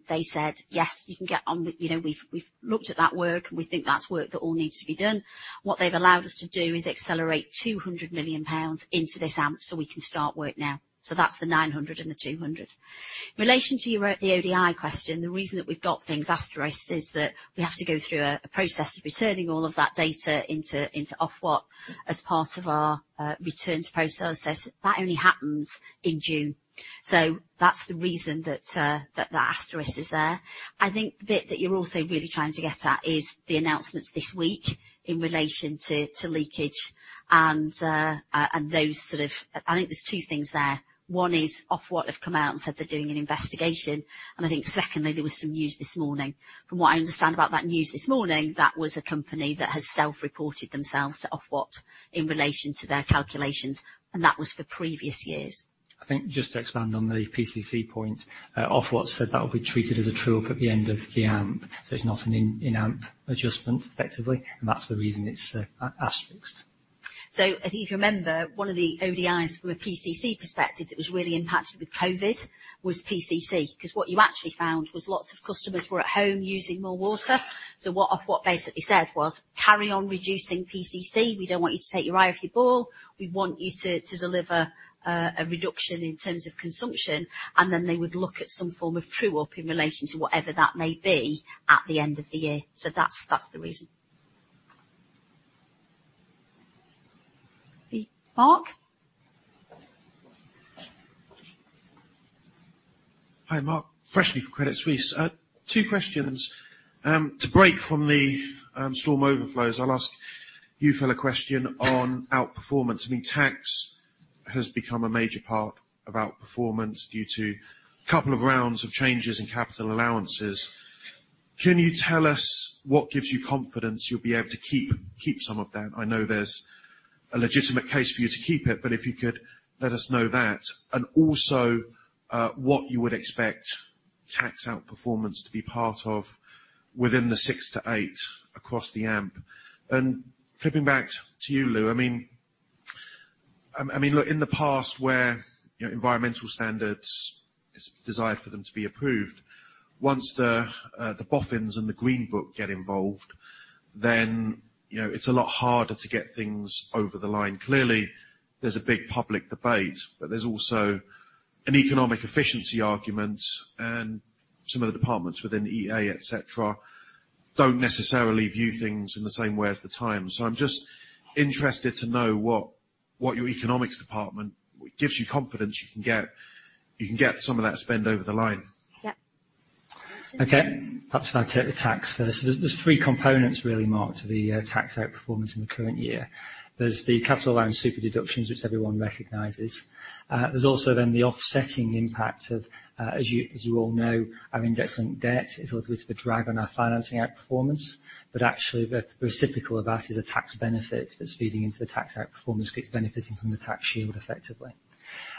they said, "Yes, you can get on with, you know, we've looked at that work, and we think that's work that all needs to be done." What they've allowed us to do is accelerate 200 million pounds into this AMP, we can start work now. That's the 900 and the 200. In relation to your the ODI question, the reason that we've got things asterisked is that we have to go through a process of returning all of that data into Ofwat as part of our return to process. That only happens in June. That's the reason that the asterisk is there. I think the bit that you're also really trying to get at is the announcements this week in relation to leakage. I think there's two things there. One is Ofwat have come out and said they're doing an investigation, I think secondly, there was some news this morning. From what I understand about that news this morning, that was a company that has self-reported themselves to Ofwat in relation to their calculations, that was for previous years. I think just to expand on the PCC point, Ofwat said that will be treated as a true up at the end of the AMP. It's not an in-AMP adjustment, effectively. That's the reason it's asterisked. I think if you remember, one of the ODIs from a PCC perspective that was really impacted with COVID was PCC, because what you actually found was lots of customers were at home using more water. What Ofwat basically said was, "Carry on reducing PCC. We don't want you to take your eye off your ball. We want you to deliver a reduction in terms of consumption," and then they would look at some form of true-up in relation to whatever that may be at the end of the year. That's the reason. Mark? Hi, Mark Freshney from Credit Suisse. Two questions. To break from the storm overflows, I'll ask you, Phil, a question on outperformance. I mean, tax has become a major part of outperformance due to a couple of rounds of changes in capital allowances. Can you tell us what gives you confidence you'll be able to keep some of that? I know there's a legitimate case for you to keep it, but if you could let us know that, and also, what you would expect tax outperformance to be part of within the 6%-8% across the AMP. Flipping back to you, Louise, I mean, I mean, look, in the past where, you know, environmental standards, it's desired for them to be approved, once the boffins and the Green Book get involved, then, you know, it's a lot harder to get things over the line. Clearly, there's a big public debate, but there's also an economic efficiency argument. Some of the departments within EA, etcetera, don't necessarily view things in the same way as the time. I'm just interested to know what your economics department gives you confidence you can get some of that spend over the line? Yeah. Okay. Perhaps if I take the tax first. There's three components really, Mark, to the tax outperformance in the current year. There's the capital allowance super deductions, which everyone recognizes. There's also then the offsetting impact of, as you, as you all know, our index linked debt is a little bit of a drag on our financing outperformance, but actually, the reciprocal of that is a tax benefit that's feeding into the tax outperformance, because it's benefiting from the tax shield effectively.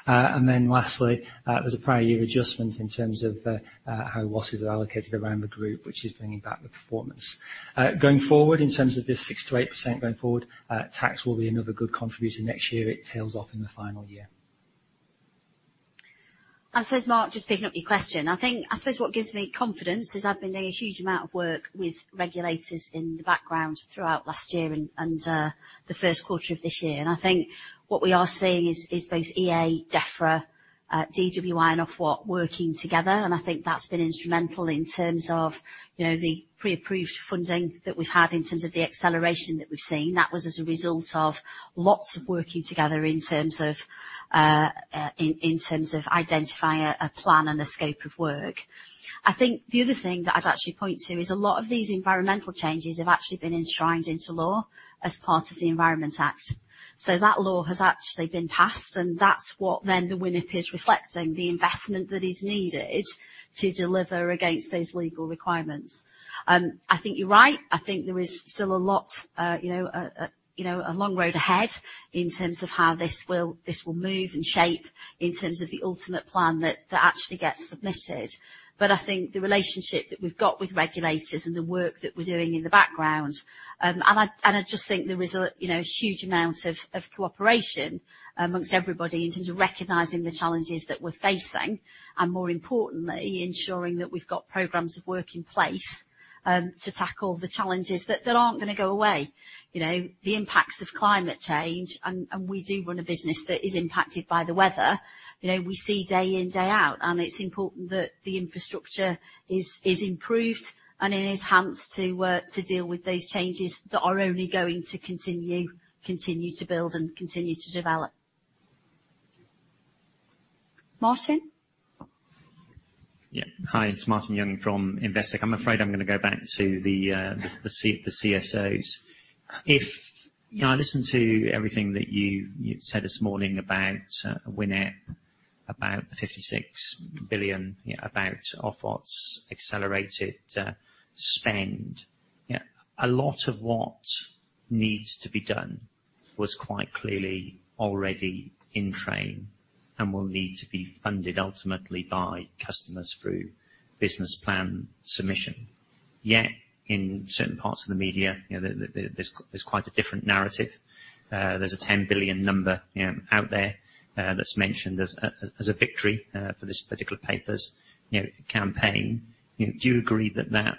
Lastly, there's a prior year adjustment in terms of how losses are allocated around the group, which is bringing back the performance. Going forward, in terms of this 6%-8% going forward, tax will be another good contributor next year. It tails off in the final year. I says, Mark, just picking up your question, I suppose what gives me confidence is I've been doing a huge amount of work with regulators in the background throughout last year and the first quarter of this year. I think what we are seeing is both EA, Defra, DWI and Ofwat working together, and I think that's been instrumental in terms of, you know, the pre-approved funding that we've had in terms of the acceleration that we've seen. That was as a result of lots of working together in terms of identifying a plan and a scope of work. I think the other thing that I'd actually point to is a lot of these environmental changes have actually been enshrined into law as part of the Environment Act. That law has actually been passed, and that's what then the WINEP is reflecting, the investment that is needed to deliver against those legal requirements. I think you're right. I think there is still a lot, you know, you know, a long road ahead in terms of how this will move and shape in terms of the ultimate plan that actually gets submitted. I think the relationship that we've got with regulators and the work that we're doing in the background, and I just think there is a, you know, a huge amount of cooperation amongst everybody in terms of recognizing the challenges that we're facing, and more importantly, ensuring that we've got programs of work in place to tackle the challenges that aren't gonna go away. You know, the impacts of climate change, and we do run a business that is impacted by the weather. You know, we see day in, day out, and it's important that the infrastructure is improved and enhanced to work to deal with those changes that are only going to continue to build and continue to develop. Martin? Hi, it's Martin Young from Investec. I'm afraid I'm gonna go back to the CSOs. I listened to everything that you said this morning about WINEP, about GBP 56 billion, about Ofwat's accelerated spend. A lot of what needs to be done was quite clearly already in train, and will need to be funded ultimately by customers through business plan submission. In certain parts of the media, you know, there's quite a different narrative. There's a 10 billion number out there that's mentioned as a victory for this particular paper's, you know, campaign. Do you agree that that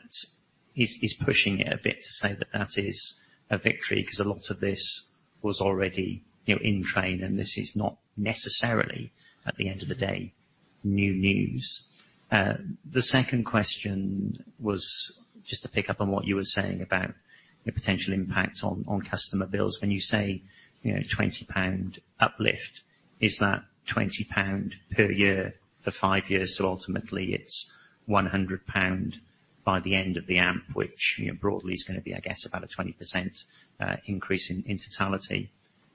is pushing it a bit to say that that is a victory, 'cause a lot of this was already, you know, in train, and this is not necessarily, at the end of the day, new news? The second question was just to pick up on what you were saying about the potential impact on customer bills. When you say, you know, 20 pound uplift, is that 20 pound per year for five years, so ultimately it's 100 pound by the end of the AMP, which, you know, broadly is gonna be, I guess, about a 20% increase in totality?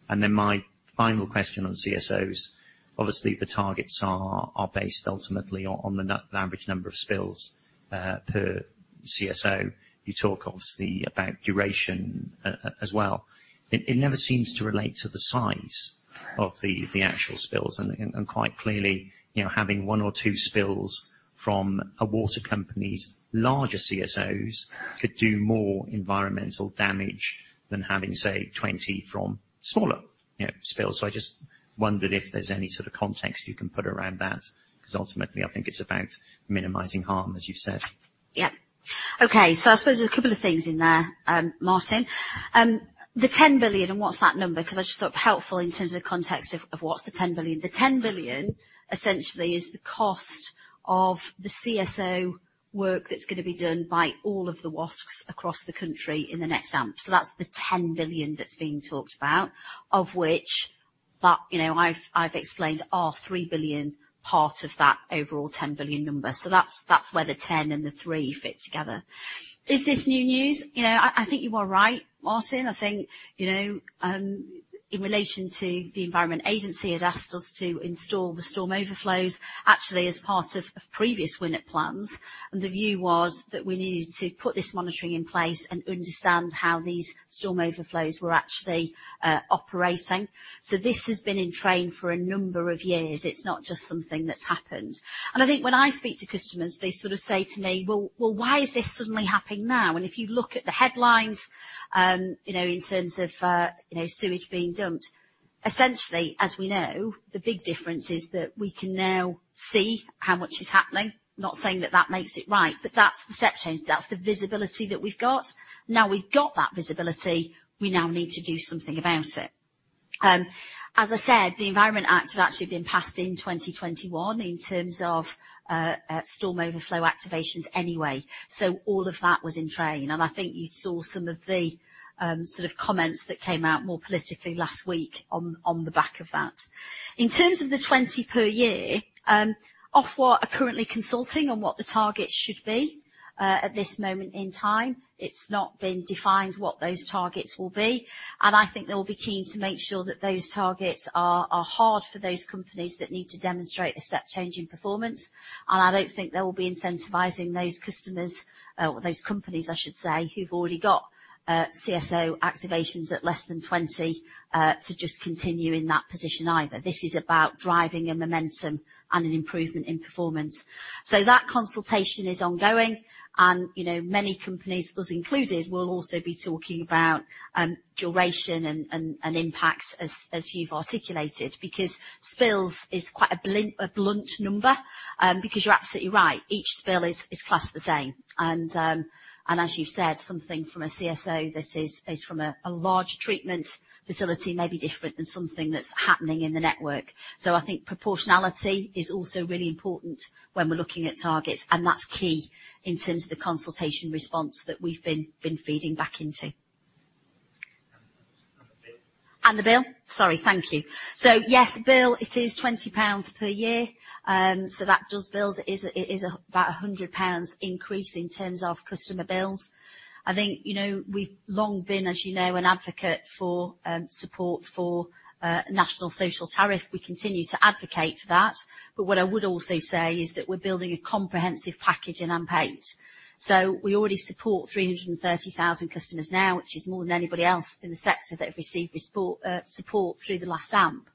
My final question on CSOs: obviously, the targets are based ultimately on the average number of spills per CSO. You talk, obviously, about duration as well. It never seems to relate to the size of the actual spills, and quite clearly, you know, having one or two spills from a water company's larger CSOs could do more environmental damage than having, say, 20 from smaller, you know, spills. I just wondered if there's any sort of context you can put around that, 'cause ultimately, I think it's about minimizing harm, as you've said. Yeah. Okay, so I suppose there are a couple of things in there, Martin. The 10 billion, and what's that number? 'Cause I just thought it helpful in terms of the context of what's the 10 billion. The 10 billion, essentially, is the cost of the CSO work that's gonna be done by all of the WaSCs across the country in the next AMP. That's the 10 billion that's being talked about, of which that, you know, I've explained, are 3 billion part of that overall 10 billion number. That's, that's where the 10 and the three fit together. Is this new news? You know, I think you are right, Martin. I think, you know, in relation to the Environment Agency had asked us to install the storm overflows, actually, as part of previous WINEP plans, and the view was that we needed to put this monitoring in place and understand how these storm overflows were actually operating. This has been in train for a number of years, it's not just something that's happened. I think when I speak to customers, they sort of say to me: "Well, why is this suddenly happening now?" If you look at the headlines, you know, in terms of, you know, sewage being dumped, essentially, as we know, the big difference is that we can now see how much is happening. Not saying that that makes it right, that's the step change, that's the visibility that we've got. Now we've got that visibility, we now need to do something about it. As I said, the Environment Act had actually been passed in 2021 in terms of storm overflow activations anyway. All of that was in train, I think you saw some of the sort of comments that came out more politically last week on the back of that. In terms of the 20 per year, Ofwat are currently consulting on what the targets should be. At this moment in time, it's not been defined what those targets will be, and I think they will be keen to make sure that those targets are hard for those companies that need to demonstrate a step change in performance. I don't think they will be incentivizing those customers, or those companies, I should say, who've already got, CSO activations at less than 20, to just continue in that position either. This is about driving a momentum and an improvement in performance. That consultation is ongoing, and, you know, many companies, us included, will also be talking about, duration and impact as you've articulated, because spills is quite a blunt number. Because you're absolutely right, each spill is classed the same. As you've said, something from a CSO that is from a large treatment facility may be different than something that's happening in the network. I think proportionality is also really important when we're looking at targets, and that's key in terms of the consultation response that we've been feeding back into. The bill? The bill? Sorry. Thank you. Yes, bill, it is 20 pounds per year. That does build, it is about a 100 pounds increase in terms of customer bills. I think, you know, we've long been, as you know, an advocate for support for national social tariff. We continue to advocate for that, what I would also say is that we're building a comprehensive package in AMP8. We already support 330,000 customers now, which is more than anybody else in the sector, that have received this support through the last AMP.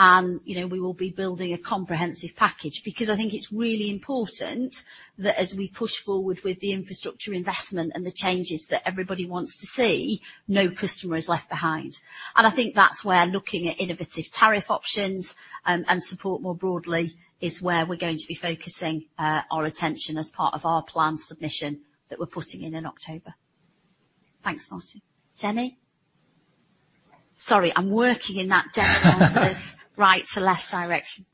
You know, we will be building a comprehensive package. I think it's really important that as we push forward with the infrastructure investment and the changes that everybody wants to see, no customer is left behind. I think that's where looking at innovative tariff options, and support more broadly, is where we're going to be focusing our attention as part of our plan submission that we're putting in in October. Thanks, Martin. Jenny? Sorry, I'm working in that sort of right to left direction.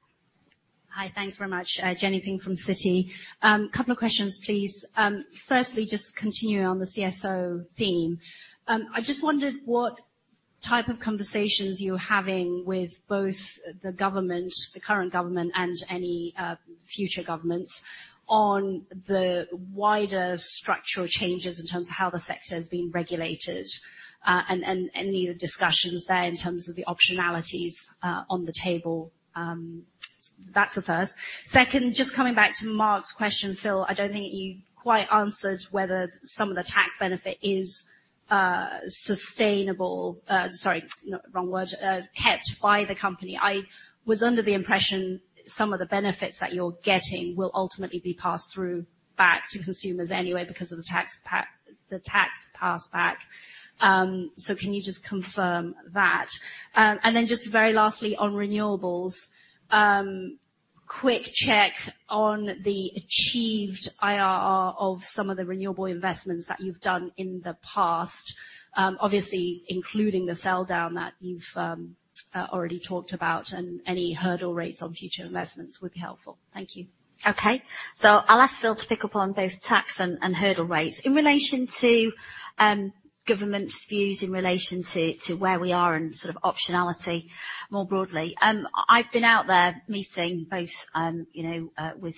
Hi. Thanks very much. Jenny Ping from Citi. Couple of questions, please. Firstly, just continuing on the CSO theme, I just wondered what type of conversations you're having with both the government, the current government and any future governments, on the wider structural changes in terms of how the sector is being regulated, and any discussions there in terms of the optionalities on the table? That's the first. Second, just coming back to Mark's question, Phil, I don't think you quite answered whether some of the tax benefit is kept by the company. I was under the impression some of the benefits that you're getting will ultimately be passed through back to consumers anyway because of the tax pass back. Can you just confirm that? Just very lastly, on renewables, quick check on the achieved IRR of some of the renewable investments that you've done in the past. Obviously, including the sell-down that you've already talked about, and any hurdle rates on future investments would be helpful. Thank you. Okay. I'll ask Phil to pick up on both tax and hurdle rates. In relation to government's views in relation to where we are and sort of optionality more broadly, I've been out there meeting both, you know, with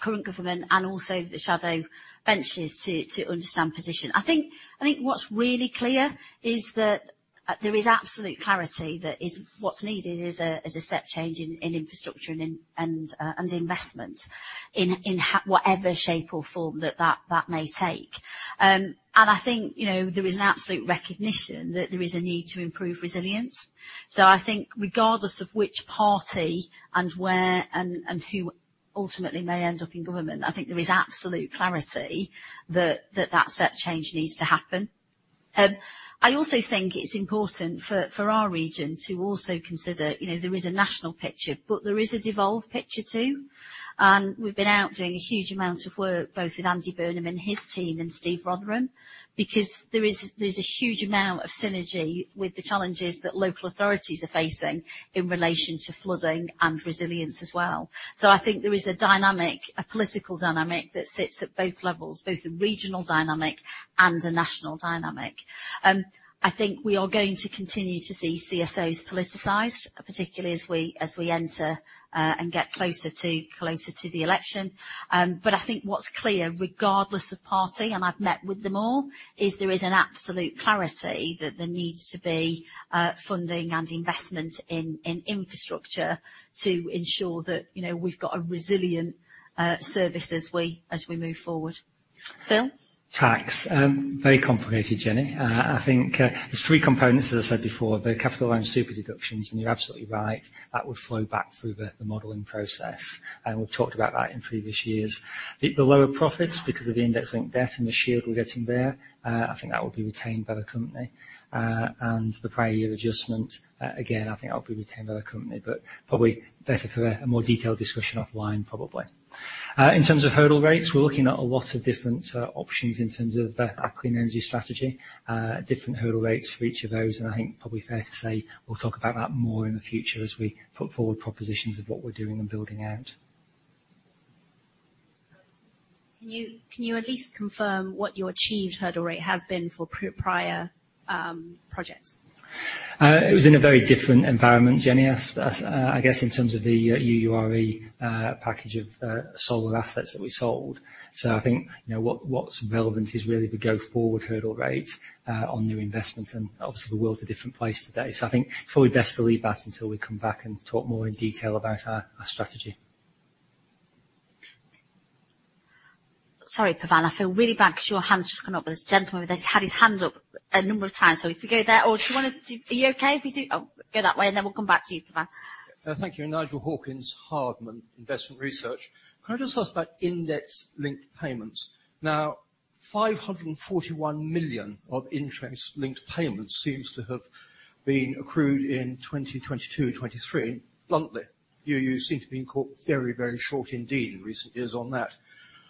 current government and also the shadow benches to understand position. I think what's really clear is that there is absolute clarity, that is, what's needed is a step change in infrastructure and investment, in whatever shape or form that may take. I think, you know, there is an absolute recognition that there is a need to improve resilience. I think regardless of which party and where and who ultimately may end up in government, I think there is absolute clarity that that step change needs to happen. I also think it's important for our region to also consider, you know, there is a national picture, but there is a devolved picture, too. We've been out doing a huge amount of work, both with Andy Burnham and his team and Steve Rotheram, because there's a huge amount of synergy with the challenges that local authorities are facing in relation to flooding and resilience as well. I think there is a dynamic, a political dynamic, that sits at both levels, both a regional dynamic and a national dynamic. I think we are going to continue to see CSOs politicized, particularly as we enter and get closer to the election. I think what's clear, regardless of party, and I've met with them all, is there is an absolute clarity that there needs to be funding and investment in infrastructure to ensure that, you know, we've got a resilient service as we move forward. Phil? Tax. Very complicated, Jenny. I think there's three components, as I said before: the capital and super deductions, and you're absolutely right, that will flow back through the modeling process, and we've talked about that in previous years. The lower profits, because of the index link debt and the shield we're getting there, I think that will be retained by the company. And the prior year adjustment, again, I think that will be retained by the company, but probably better for a more detailed discussion offline, probably. In terms of hurdle rates, we're looking at a lot of different options in terms of Aquin Energy strategy. Different hurdle rates for each of those. I think probably fair to say we'll talk about that more in the future as we put forward propositions of what we're doing and building out. Can you at least confirm what your achieved hurdle rate has been for prior projects? It was in a very different environment, Jenny, as I guess in terms of the UURE package of solar assets that we sold. I think, you know, what's relevant is really the go-forward hurdle rate on new investments, and obviously, the world's a different place today. I think probably best to leave that until we come back and talk more in detail about our strategy. Sorry, Pavan, I feel really bad because your hand's just come up. This gentleman has had his hand up a number of times, so if we go there or do you wanna do. Are you okay if we do? Go that way, and then we'll come back to you, Pavan. Thank you. Nigel Hawkins, Hardman & Co. Can I just ask about index-linked payments? Now, 541 million of index-linked payments seems to have been accrued in 2022, 2023. Bluntly, you seem to be caught very, very short indeed in recent years on that.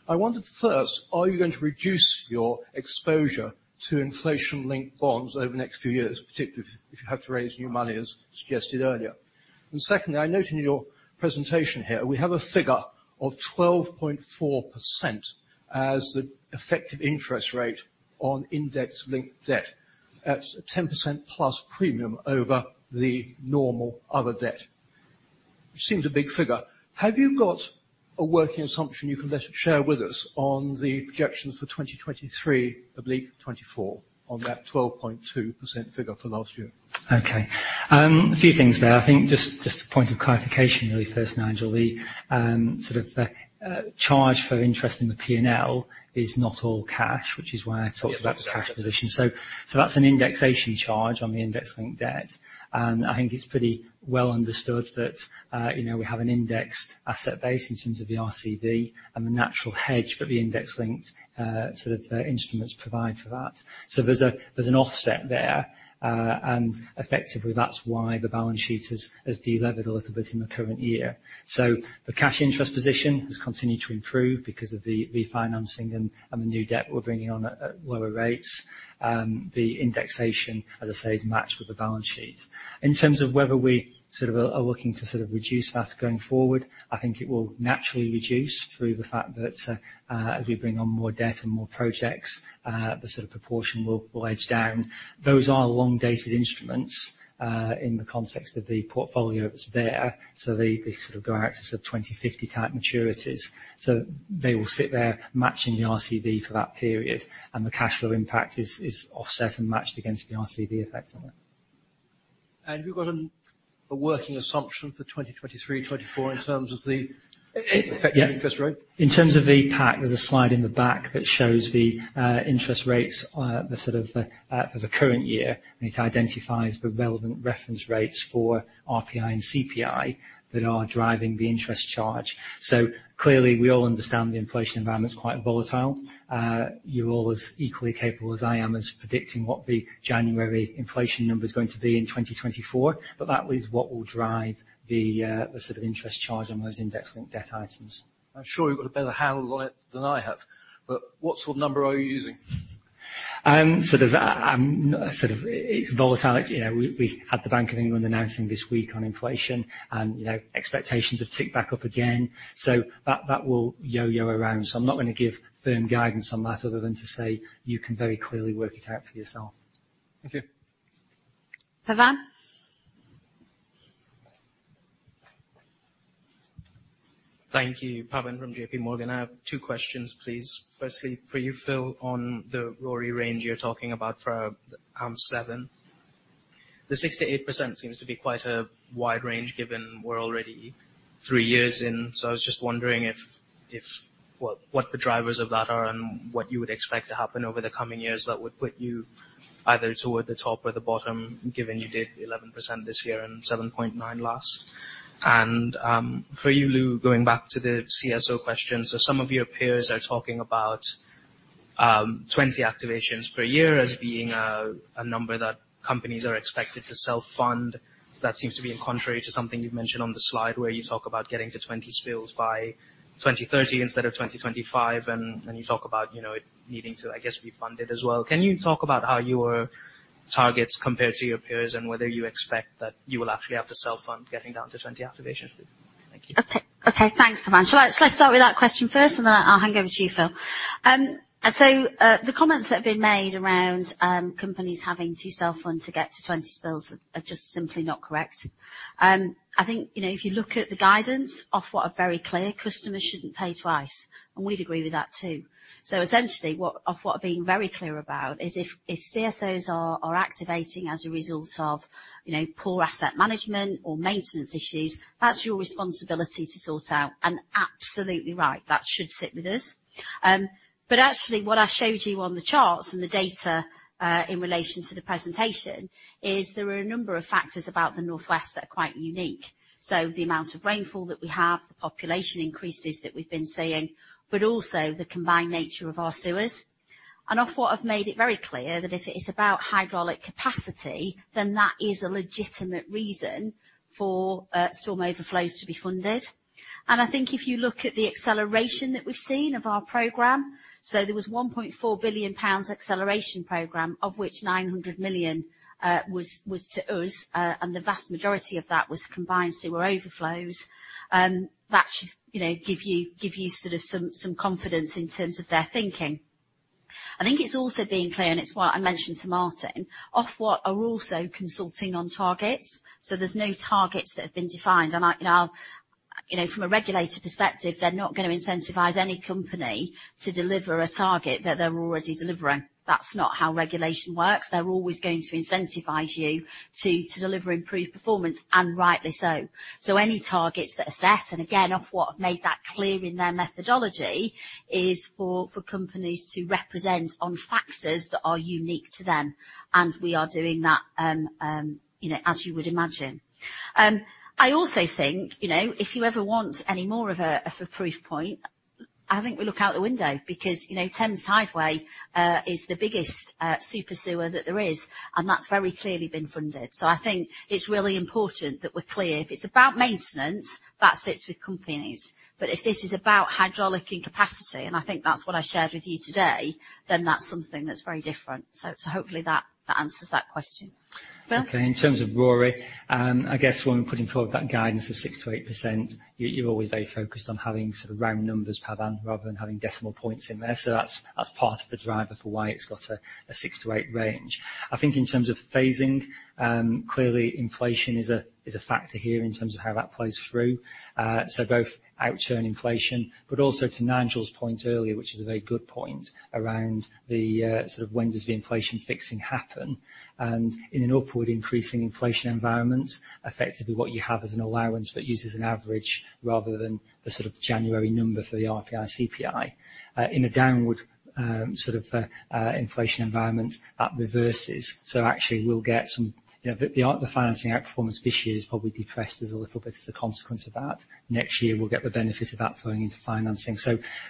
I wondered first, are you going to reduce your exposure to inflation-linked bonds over the next few years, particularly if you have to raise new money, as suggested earlier? Secondly, I note in your presentation here, we have a figure of 12.4% as the effective interest rate on index-linked debt. That's a 10%+ premium over the normal other debt. It seems a big figure. Have you got a working assumption you can share with us on the projections for 2023/2024 on that 12.2% figure for last year? A few things there. I think just a point of clarification really first, Nigel. The sort of charge for interest in the P&L is not all cash, which is why I talked about. Yes. the cash position. That's an indexation charge on the index-linked debt, and I think it's pretty well understood that, you know, we have an indexed asset base in terms of the RCV and the natural hedge that the index-linked, sort of, instruments provide for that. There's an offset there, and effectively, that's why the balance sheet has delevered a little bit in the current year. The cash interest position has continued to improve because of the refinancing and the new debt we're bringing on at lower rates. The indexation, as I say, is matched with the balance sheet. In terms of whether we sort of are looking to sort of reduce that going forward, I think it will naturally reduce through the fact that, as we bring on more debt and more projects, the sort of proportion will edge down. Those are long-dated instruments, in the context of the portfolio that's there, they sort of go out to sort of 20/50 type maturities. They will sit there matching the RCV for that period, and the cash flow impact is offset and matched against the RCV effect on it. Have you got a working assumption for 2023, 2024 in terms of? Yeah. effective interest rate? In terms of the pack, there's a slide in the back that shows the interest rates, the sort of, for the current year, and it identifies the relevant reference rates for RPI and CPI that are driving the interest charge. Clearly, we all understand the inflation environment is quite volatile. You're all as equally capable as I am as to predicting what the January inflation number is going to be in 2024, but that is what will drive the sort of interest charge on those index-linked debt items. I'm sure you've got a better handle on it than I have, but what sort of number are you using? sort of it's volatile. You know, we had the Bank of England announcing this week on inflation, and, you know, expectations have ticked back up again. That will yo-yo around. I'm not going to give firm guidance on that other than to say you can very clearly work it out for yourself. Thank you. Pavan? Thank you. Pavan from JPMorgan. I have two questions, please. Firstly, for you, Phil, on the RoRE range you're talking about for seven. The 6%-8% seems to be quite a wide range, given we're already three years in. I was just wondering if what the drivers of that are and what you would expect to happen over the coming years that would put you either toward the top or the bottom, given you did 11% this year and 7.9% last. For you, Louise, going back to the CSO question. Some of your peers are talking about 20 activations per year as being a number that companies are expected to self-fund. That seems to be in contrary to something you've mentioned on the slide, where you talk about getting to 20 spills by 2030 instead of 2025, and you talk about, you know, it needing to, I guess, be funded as well. Can you talk about how your targets compare to your peers and whether you expect that you will actually have to self-fund getting down to 20 activations, please. Thank you. Okay, thanks, Pavan. Let's start with that question first, and then I'll hand over to you, Phil. The comments that have been made around companies having to self-fund to get to 20 spills are just simply not correct. I think, you know, if you look at the guidance Ofwat are very clear, customers shouldn't pay twice. We'd agree with that, too. Essentially, what Ofwat are being very clear about is if CSOs are activating as a result of, you know, poor asset management or maintenance issues, that's your responsibility to sort out. Absolutely right, that should sit with us. Actually, what I showed you on the charts and the data in relation to the presentation is there are a number of factors about the North West that are quite unique. The amount of rainfall that we have, the population increases that we've been seeing, but also the combined nature of our sewers. Ofwat have made it very clear that if it is about hydraulic capacity, then that is a legitimate reason for storm overflows to be funded. I think if you look at the acceleration that we've seen of our program, there was a 1.4 billion pounds acceleration program, of which 900 million was to us, and the vast majority of that was combined sewer overflows. That should, you know, give you sort of some confidence in terms of their thinking. I think it's also been clear, and it's what I mentioned to Martin, Ofwat are also consulting on targets. There's no targets that have been defined. I, you know, from a regulator perspective, they're not gonna incentivize any company to deliver a target that they're already delivering. That's not how regulation works. They're always going to incentivize you to deliver improved performance, and rightly so. Any targets that are set, and again, Ofwat have made that clear in their methodology, is for companies to represent on factors that are unique to them, and we are doing that, you know, as you would imagine. I also think, you know, if you ever want any more of a proof point, I think we look out the window, because, you know, Thames Tideway is the biggest super sewer that there is, and that's very clearly been funded. I think it's really important that we're clear. If it's about maintenance, that sits with companies. If this is about hydraulic incapacity, and I think that's what I shared with you today, then that's something that's very different. Hopefully that answers that question. Phil? In terms of RoRE, I guess when we're putting forward that guidance of 6%-8%, you're always very focused on having sort of round numbers Pavan, rather than having decimal points in there. That's part of the driver for why it's got a 6%-8% range. I think in terms of phasing, clearly inflation is a factor here in terms of how that plays through. Both outturn inflation, but also to Nigel's point earlier, which is a very good point, around the sort of when does the inflation fixing happen? In an upward increasing inflation environment, effectively, what you have is an allowance that uses an average rather than the sort of January number for the RPI, CPI. In a downward sort of inflation environment, that reverses. Actually, we'll get You know, the financing outperformance this year is probably depressed as a little bit as a consequence of that. Next year, we'll get the benefit of that flowing into financing.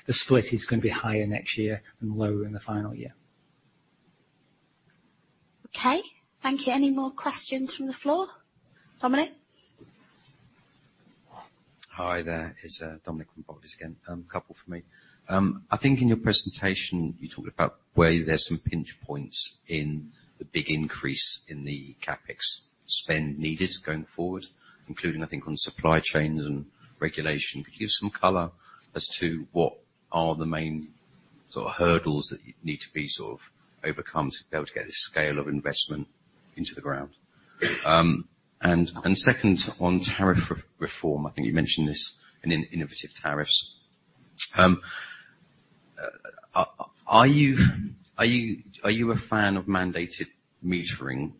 The split is gonna be higher next year and lower in the final year. Okay. Thank you. Any more questions from the floor? Dominic? Hi there, it's Dominic from Barclays again. A couple from me. I think in your presentation, you talked about where there's some pinch points in the big increase in the CapEx spend needed going forward, including, I think, on supply chains and regulation. Could you give some color as to what are the main sort of hurdles that need to be sort of overcome to be able to get this scale of investment into the ground? Second, on tariff reform, I think you mentioned this, and in innovative tariffs. Are you a fan of mandated metering?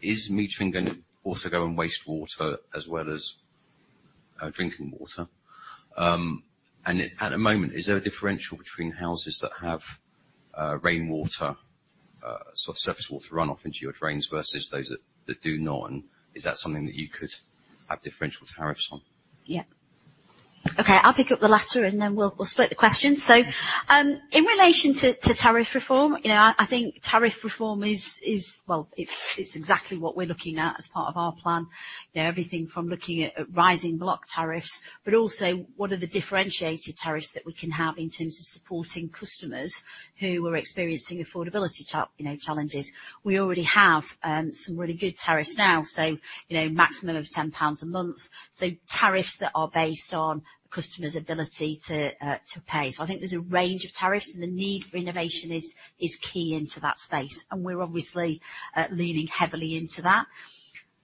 Is metering gonna also go on wastewater as well as drinking water? At the moment, is there a differential between houses that have rainwater, sort of surface water run off into your drains versus those that do not? Is that something that you could have differential tariffs on? Yeah. Okay, I'll pick up the latter, and then we'll split the question. In relation to tariff reform, you know, I think tariff reform Well, it's exactly what we're looking at as part of our plan. You know, everything from looking at rising block tariffs, but also what are the differentiated tariffs that we can have in terms of supporting customers who are experiencing affordability challenges. We already have some really good tariffs now, so, you know, maximum of 10 pounds a month, so tariffs that are based on customer's ability to pay. I think there's a range of tariffs, and the need for innovation is key into that space, and we're obviously leaning heavily into that.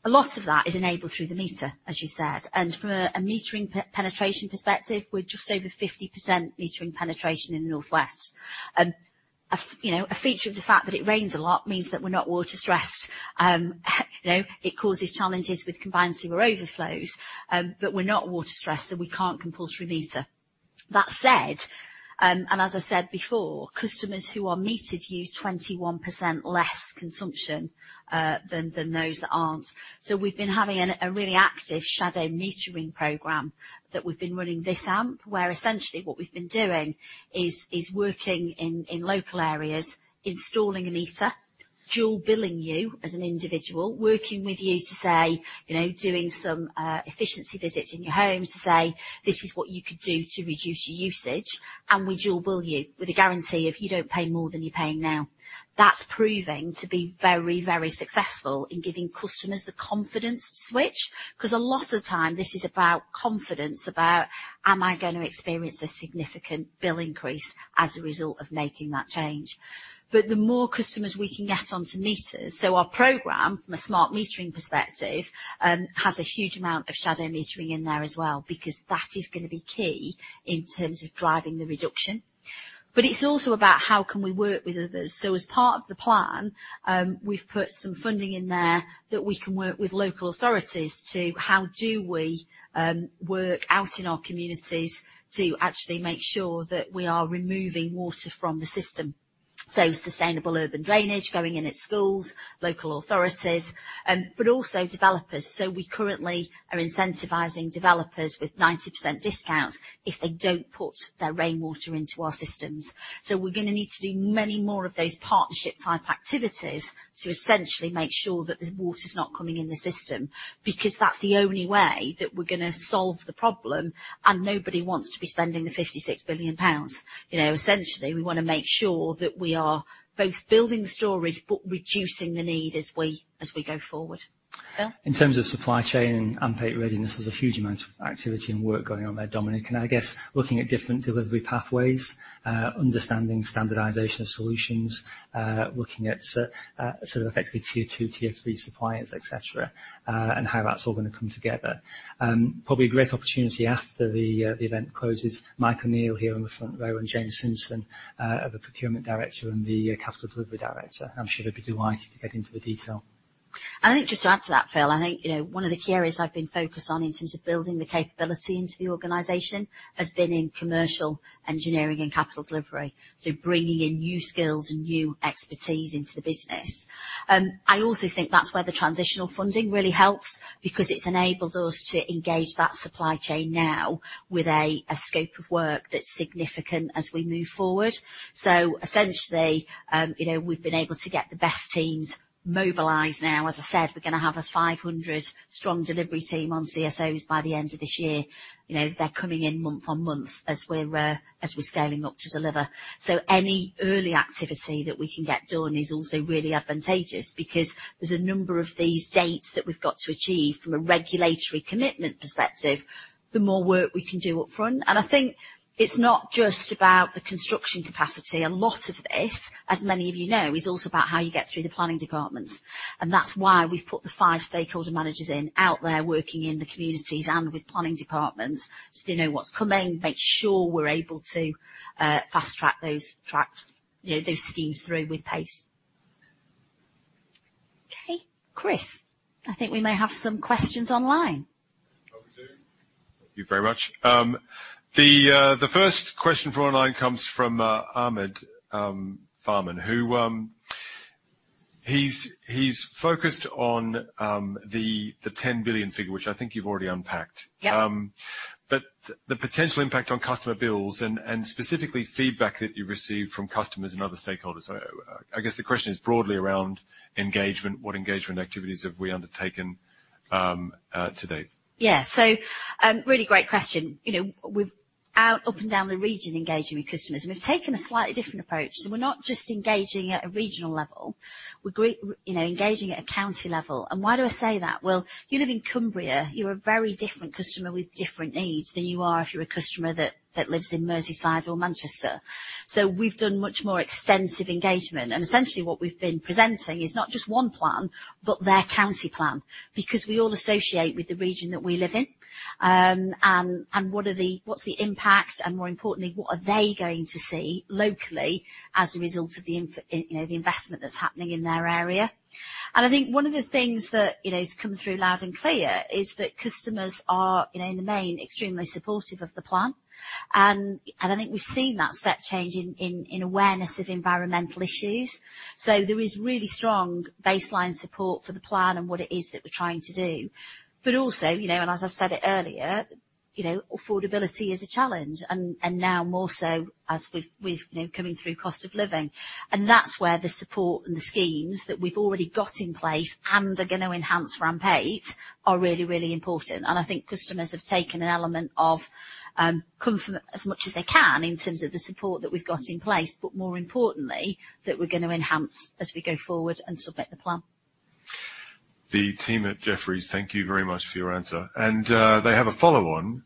A lot of that is enabled through the meter, as you said, and from a metering penetration perspective, we're just over 50% metering penetration in the North West. you know, a feature of the fact that it rains a lot means that we're not water stressed. you know, it causes challenges with combined sewer overflows, but we're not water stressed, so we can't compulsory meter. That said, as I said before, customers who are metered use 21% less consumption than those that aren't. We've been having a really active shadow metering program that we've been running this AMP, where essentially what we've been doing is working in local areas, installing a meter, dual billing you as an individual, working with you to say, you know, doing some efficiency visits in your home to say: This is what you could do to reduce your usage, and we dual bill you with a guarantee of you don't pay more than you're paying now. That's proving to be very, very successful in giving customers the confidence to switch, 'cause a lot of the time, this is about confidence, about: Am I gonna experience a significant bill increase as a result of making that change? The more customers we can get onto meters... Our program, from a smart metering perspective, has a huge amount of shadow metering in there as well, because that is gonna be key in terms of driving the reduction. It's also about how can we work with others? As part of the plan, we've put some funding in there that we can work with local authorities to, how do we work out in our communities to actually make sure that we are removing water from the system.... Sustainable urban drainage going in at schools, local authorities, but also developers. We currently are incentivizing developers with 90% discounts if they don't put their rainwater into our systems. We're gonna need to do many more of those partnership-type activities to essentially make sure that the water's not coming in the system, because that's the only way that we're gonna solve the problem. Nobody wants to be spending the 56 billion pounds. You know, essentially, we wanna make sure that we are both building the storage, but reducing the need as we go forward. Phil? In terms of supply chain and unpaid readiness, there's a huge amount of activity and work going on there, Dominic. I guess, looking at different delivery pathways, understanding standardization of solutions, effectively tier two, tier three suppliers, et cetera. How that's all gonna come together. Probably a great opportunity after the event closes, Mike O'Neill here on the front row, and Jane Simpson, the procurement director and the capital delivery director, I'm sure, would be delighted to get into the detail. I think just to add to that, Phil, I think, you know, one of the key areas I've been focused on in terms of building the capability into the organization, has been in commercial, engineering, and capital delivery. Bringing in new skills and new expertise into the business. I also think that's where the transitional funding really helps, because it's enabled us to engage that supply chain now with a scope of work that's significant as we move forward. Essentially, you know, we've been able to get the best teams mobilized now. As I said, we're gonna have a 500 strong delivery team on CSOs by the end of this year. You know, they're coming in month on month as we're scaling up to deliver. Any early activity that we can get done is also really advantageous, because there's a number of these dates that we've got to achieve from a regulatory commitment perspective, the more work we can do up front. I think it's not just about the construction capacity. A lot of this, as many of you know, is also about how you get through the planning departments, and that's why we've put the five stakeholder managers in, out there working in the communities and with planning departments, so they know what's coming, make sure we're able to fast-track those You know, those schemes through with pace. Chris, I think we may have some questions online. Okay. Thank you very much. The first question from online comes from Ahmed Farman, who he's focused on the 10 billion figure, which I think you've already unpacked. Yep. The potential impact on customer bills and specifically feedback that you've received from customers and other stakeholders. I guess the question is broadly around engagement, what engagement activities have we undertaken to date? Really great question. You know, we've out, up and down the region, engaging with customers, and we've taken a slightly different approach. We're not just engaging at a regional level, we're you know, engaging at a county level. Why do I say that? Well, you live in Cumbria, you're a very different customer with different needs than you are if you're a customer that lives in Merseyside or Manchester. We've done much more extensive engagement, and essentially, what we've been presenting is not just one plan, but their county plan, because we all associate with the region that we live in. What's the impact, and more importantly, what are they going to see locally as a result of you know, the investment that's happening in their area? I think one of the things that, you know, has come through loud and clear is that customers are, you know, in the main, extremely supportive of the plan. I think we've seen that step change in awareness of environmental issues. There is really strong baseline support for the plan and what it is that we're trying to do. Also, you know, as I said it earlier, you know, affordability is a challenge, and now more so as with, you know, coming through cost of living. That's where the support and the schemes that we've already got in place and are gonna enhance AMP8 are really, really important. I think customers have taken an element of comfort as much as they can in terms of the support that we've got in place, but more importantly, that we're gonna enhance as we go forward and submit the plan. The team at Jefferies, thank you very much for your answer. They have a follow-on.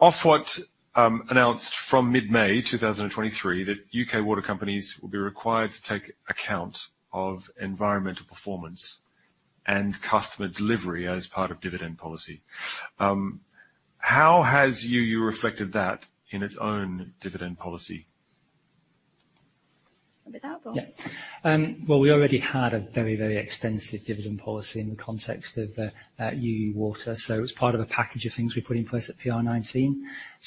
Ofwat announced from mid-May 2023, that UK water companies will be required to take account of environmental performance and customer delivery as part of dividend policy. How has UU reflected that in its own dividend policy? With that, Rob. Yeah. Well, we already had a very, very extensive dividend policy in the context of UU Water, it was part of a package of things we put in place at PR19.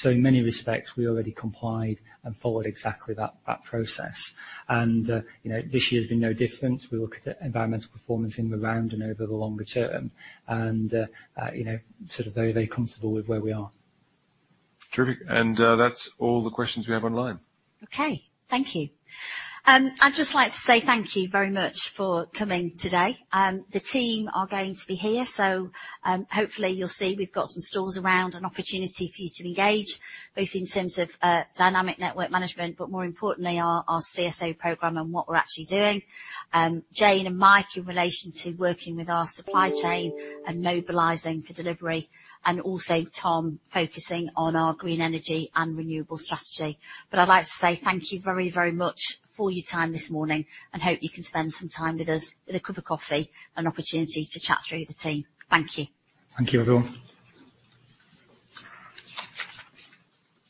In many respects, we already complied and followed exactly that process. This year has been no different. We look at the environmental performance in the round and over the longer term, you know, sort of very, very comfortable with where we are. Terrific. That's all the questions we have online. Okay, thank you. I'd just like to say thank you very much for coming today. The team are going to be here, so, hopefully, you'll see we've got some stalls around, an opportunity for you to engage, both in terms of Dynamic Network Management, but more importantly, our CSO program and what we're actually doing. Jane and Mike, in relation to working with our supply chain and mobilizing for delivery, and also Tom, focusing on our green energy and renewable strategy. I'd like to say thank you very, very much for your time this morning, and hope you can spend some time with us with a cup of coffee, an opportunity to chat through with the team. Thank you. Thank you, everyone.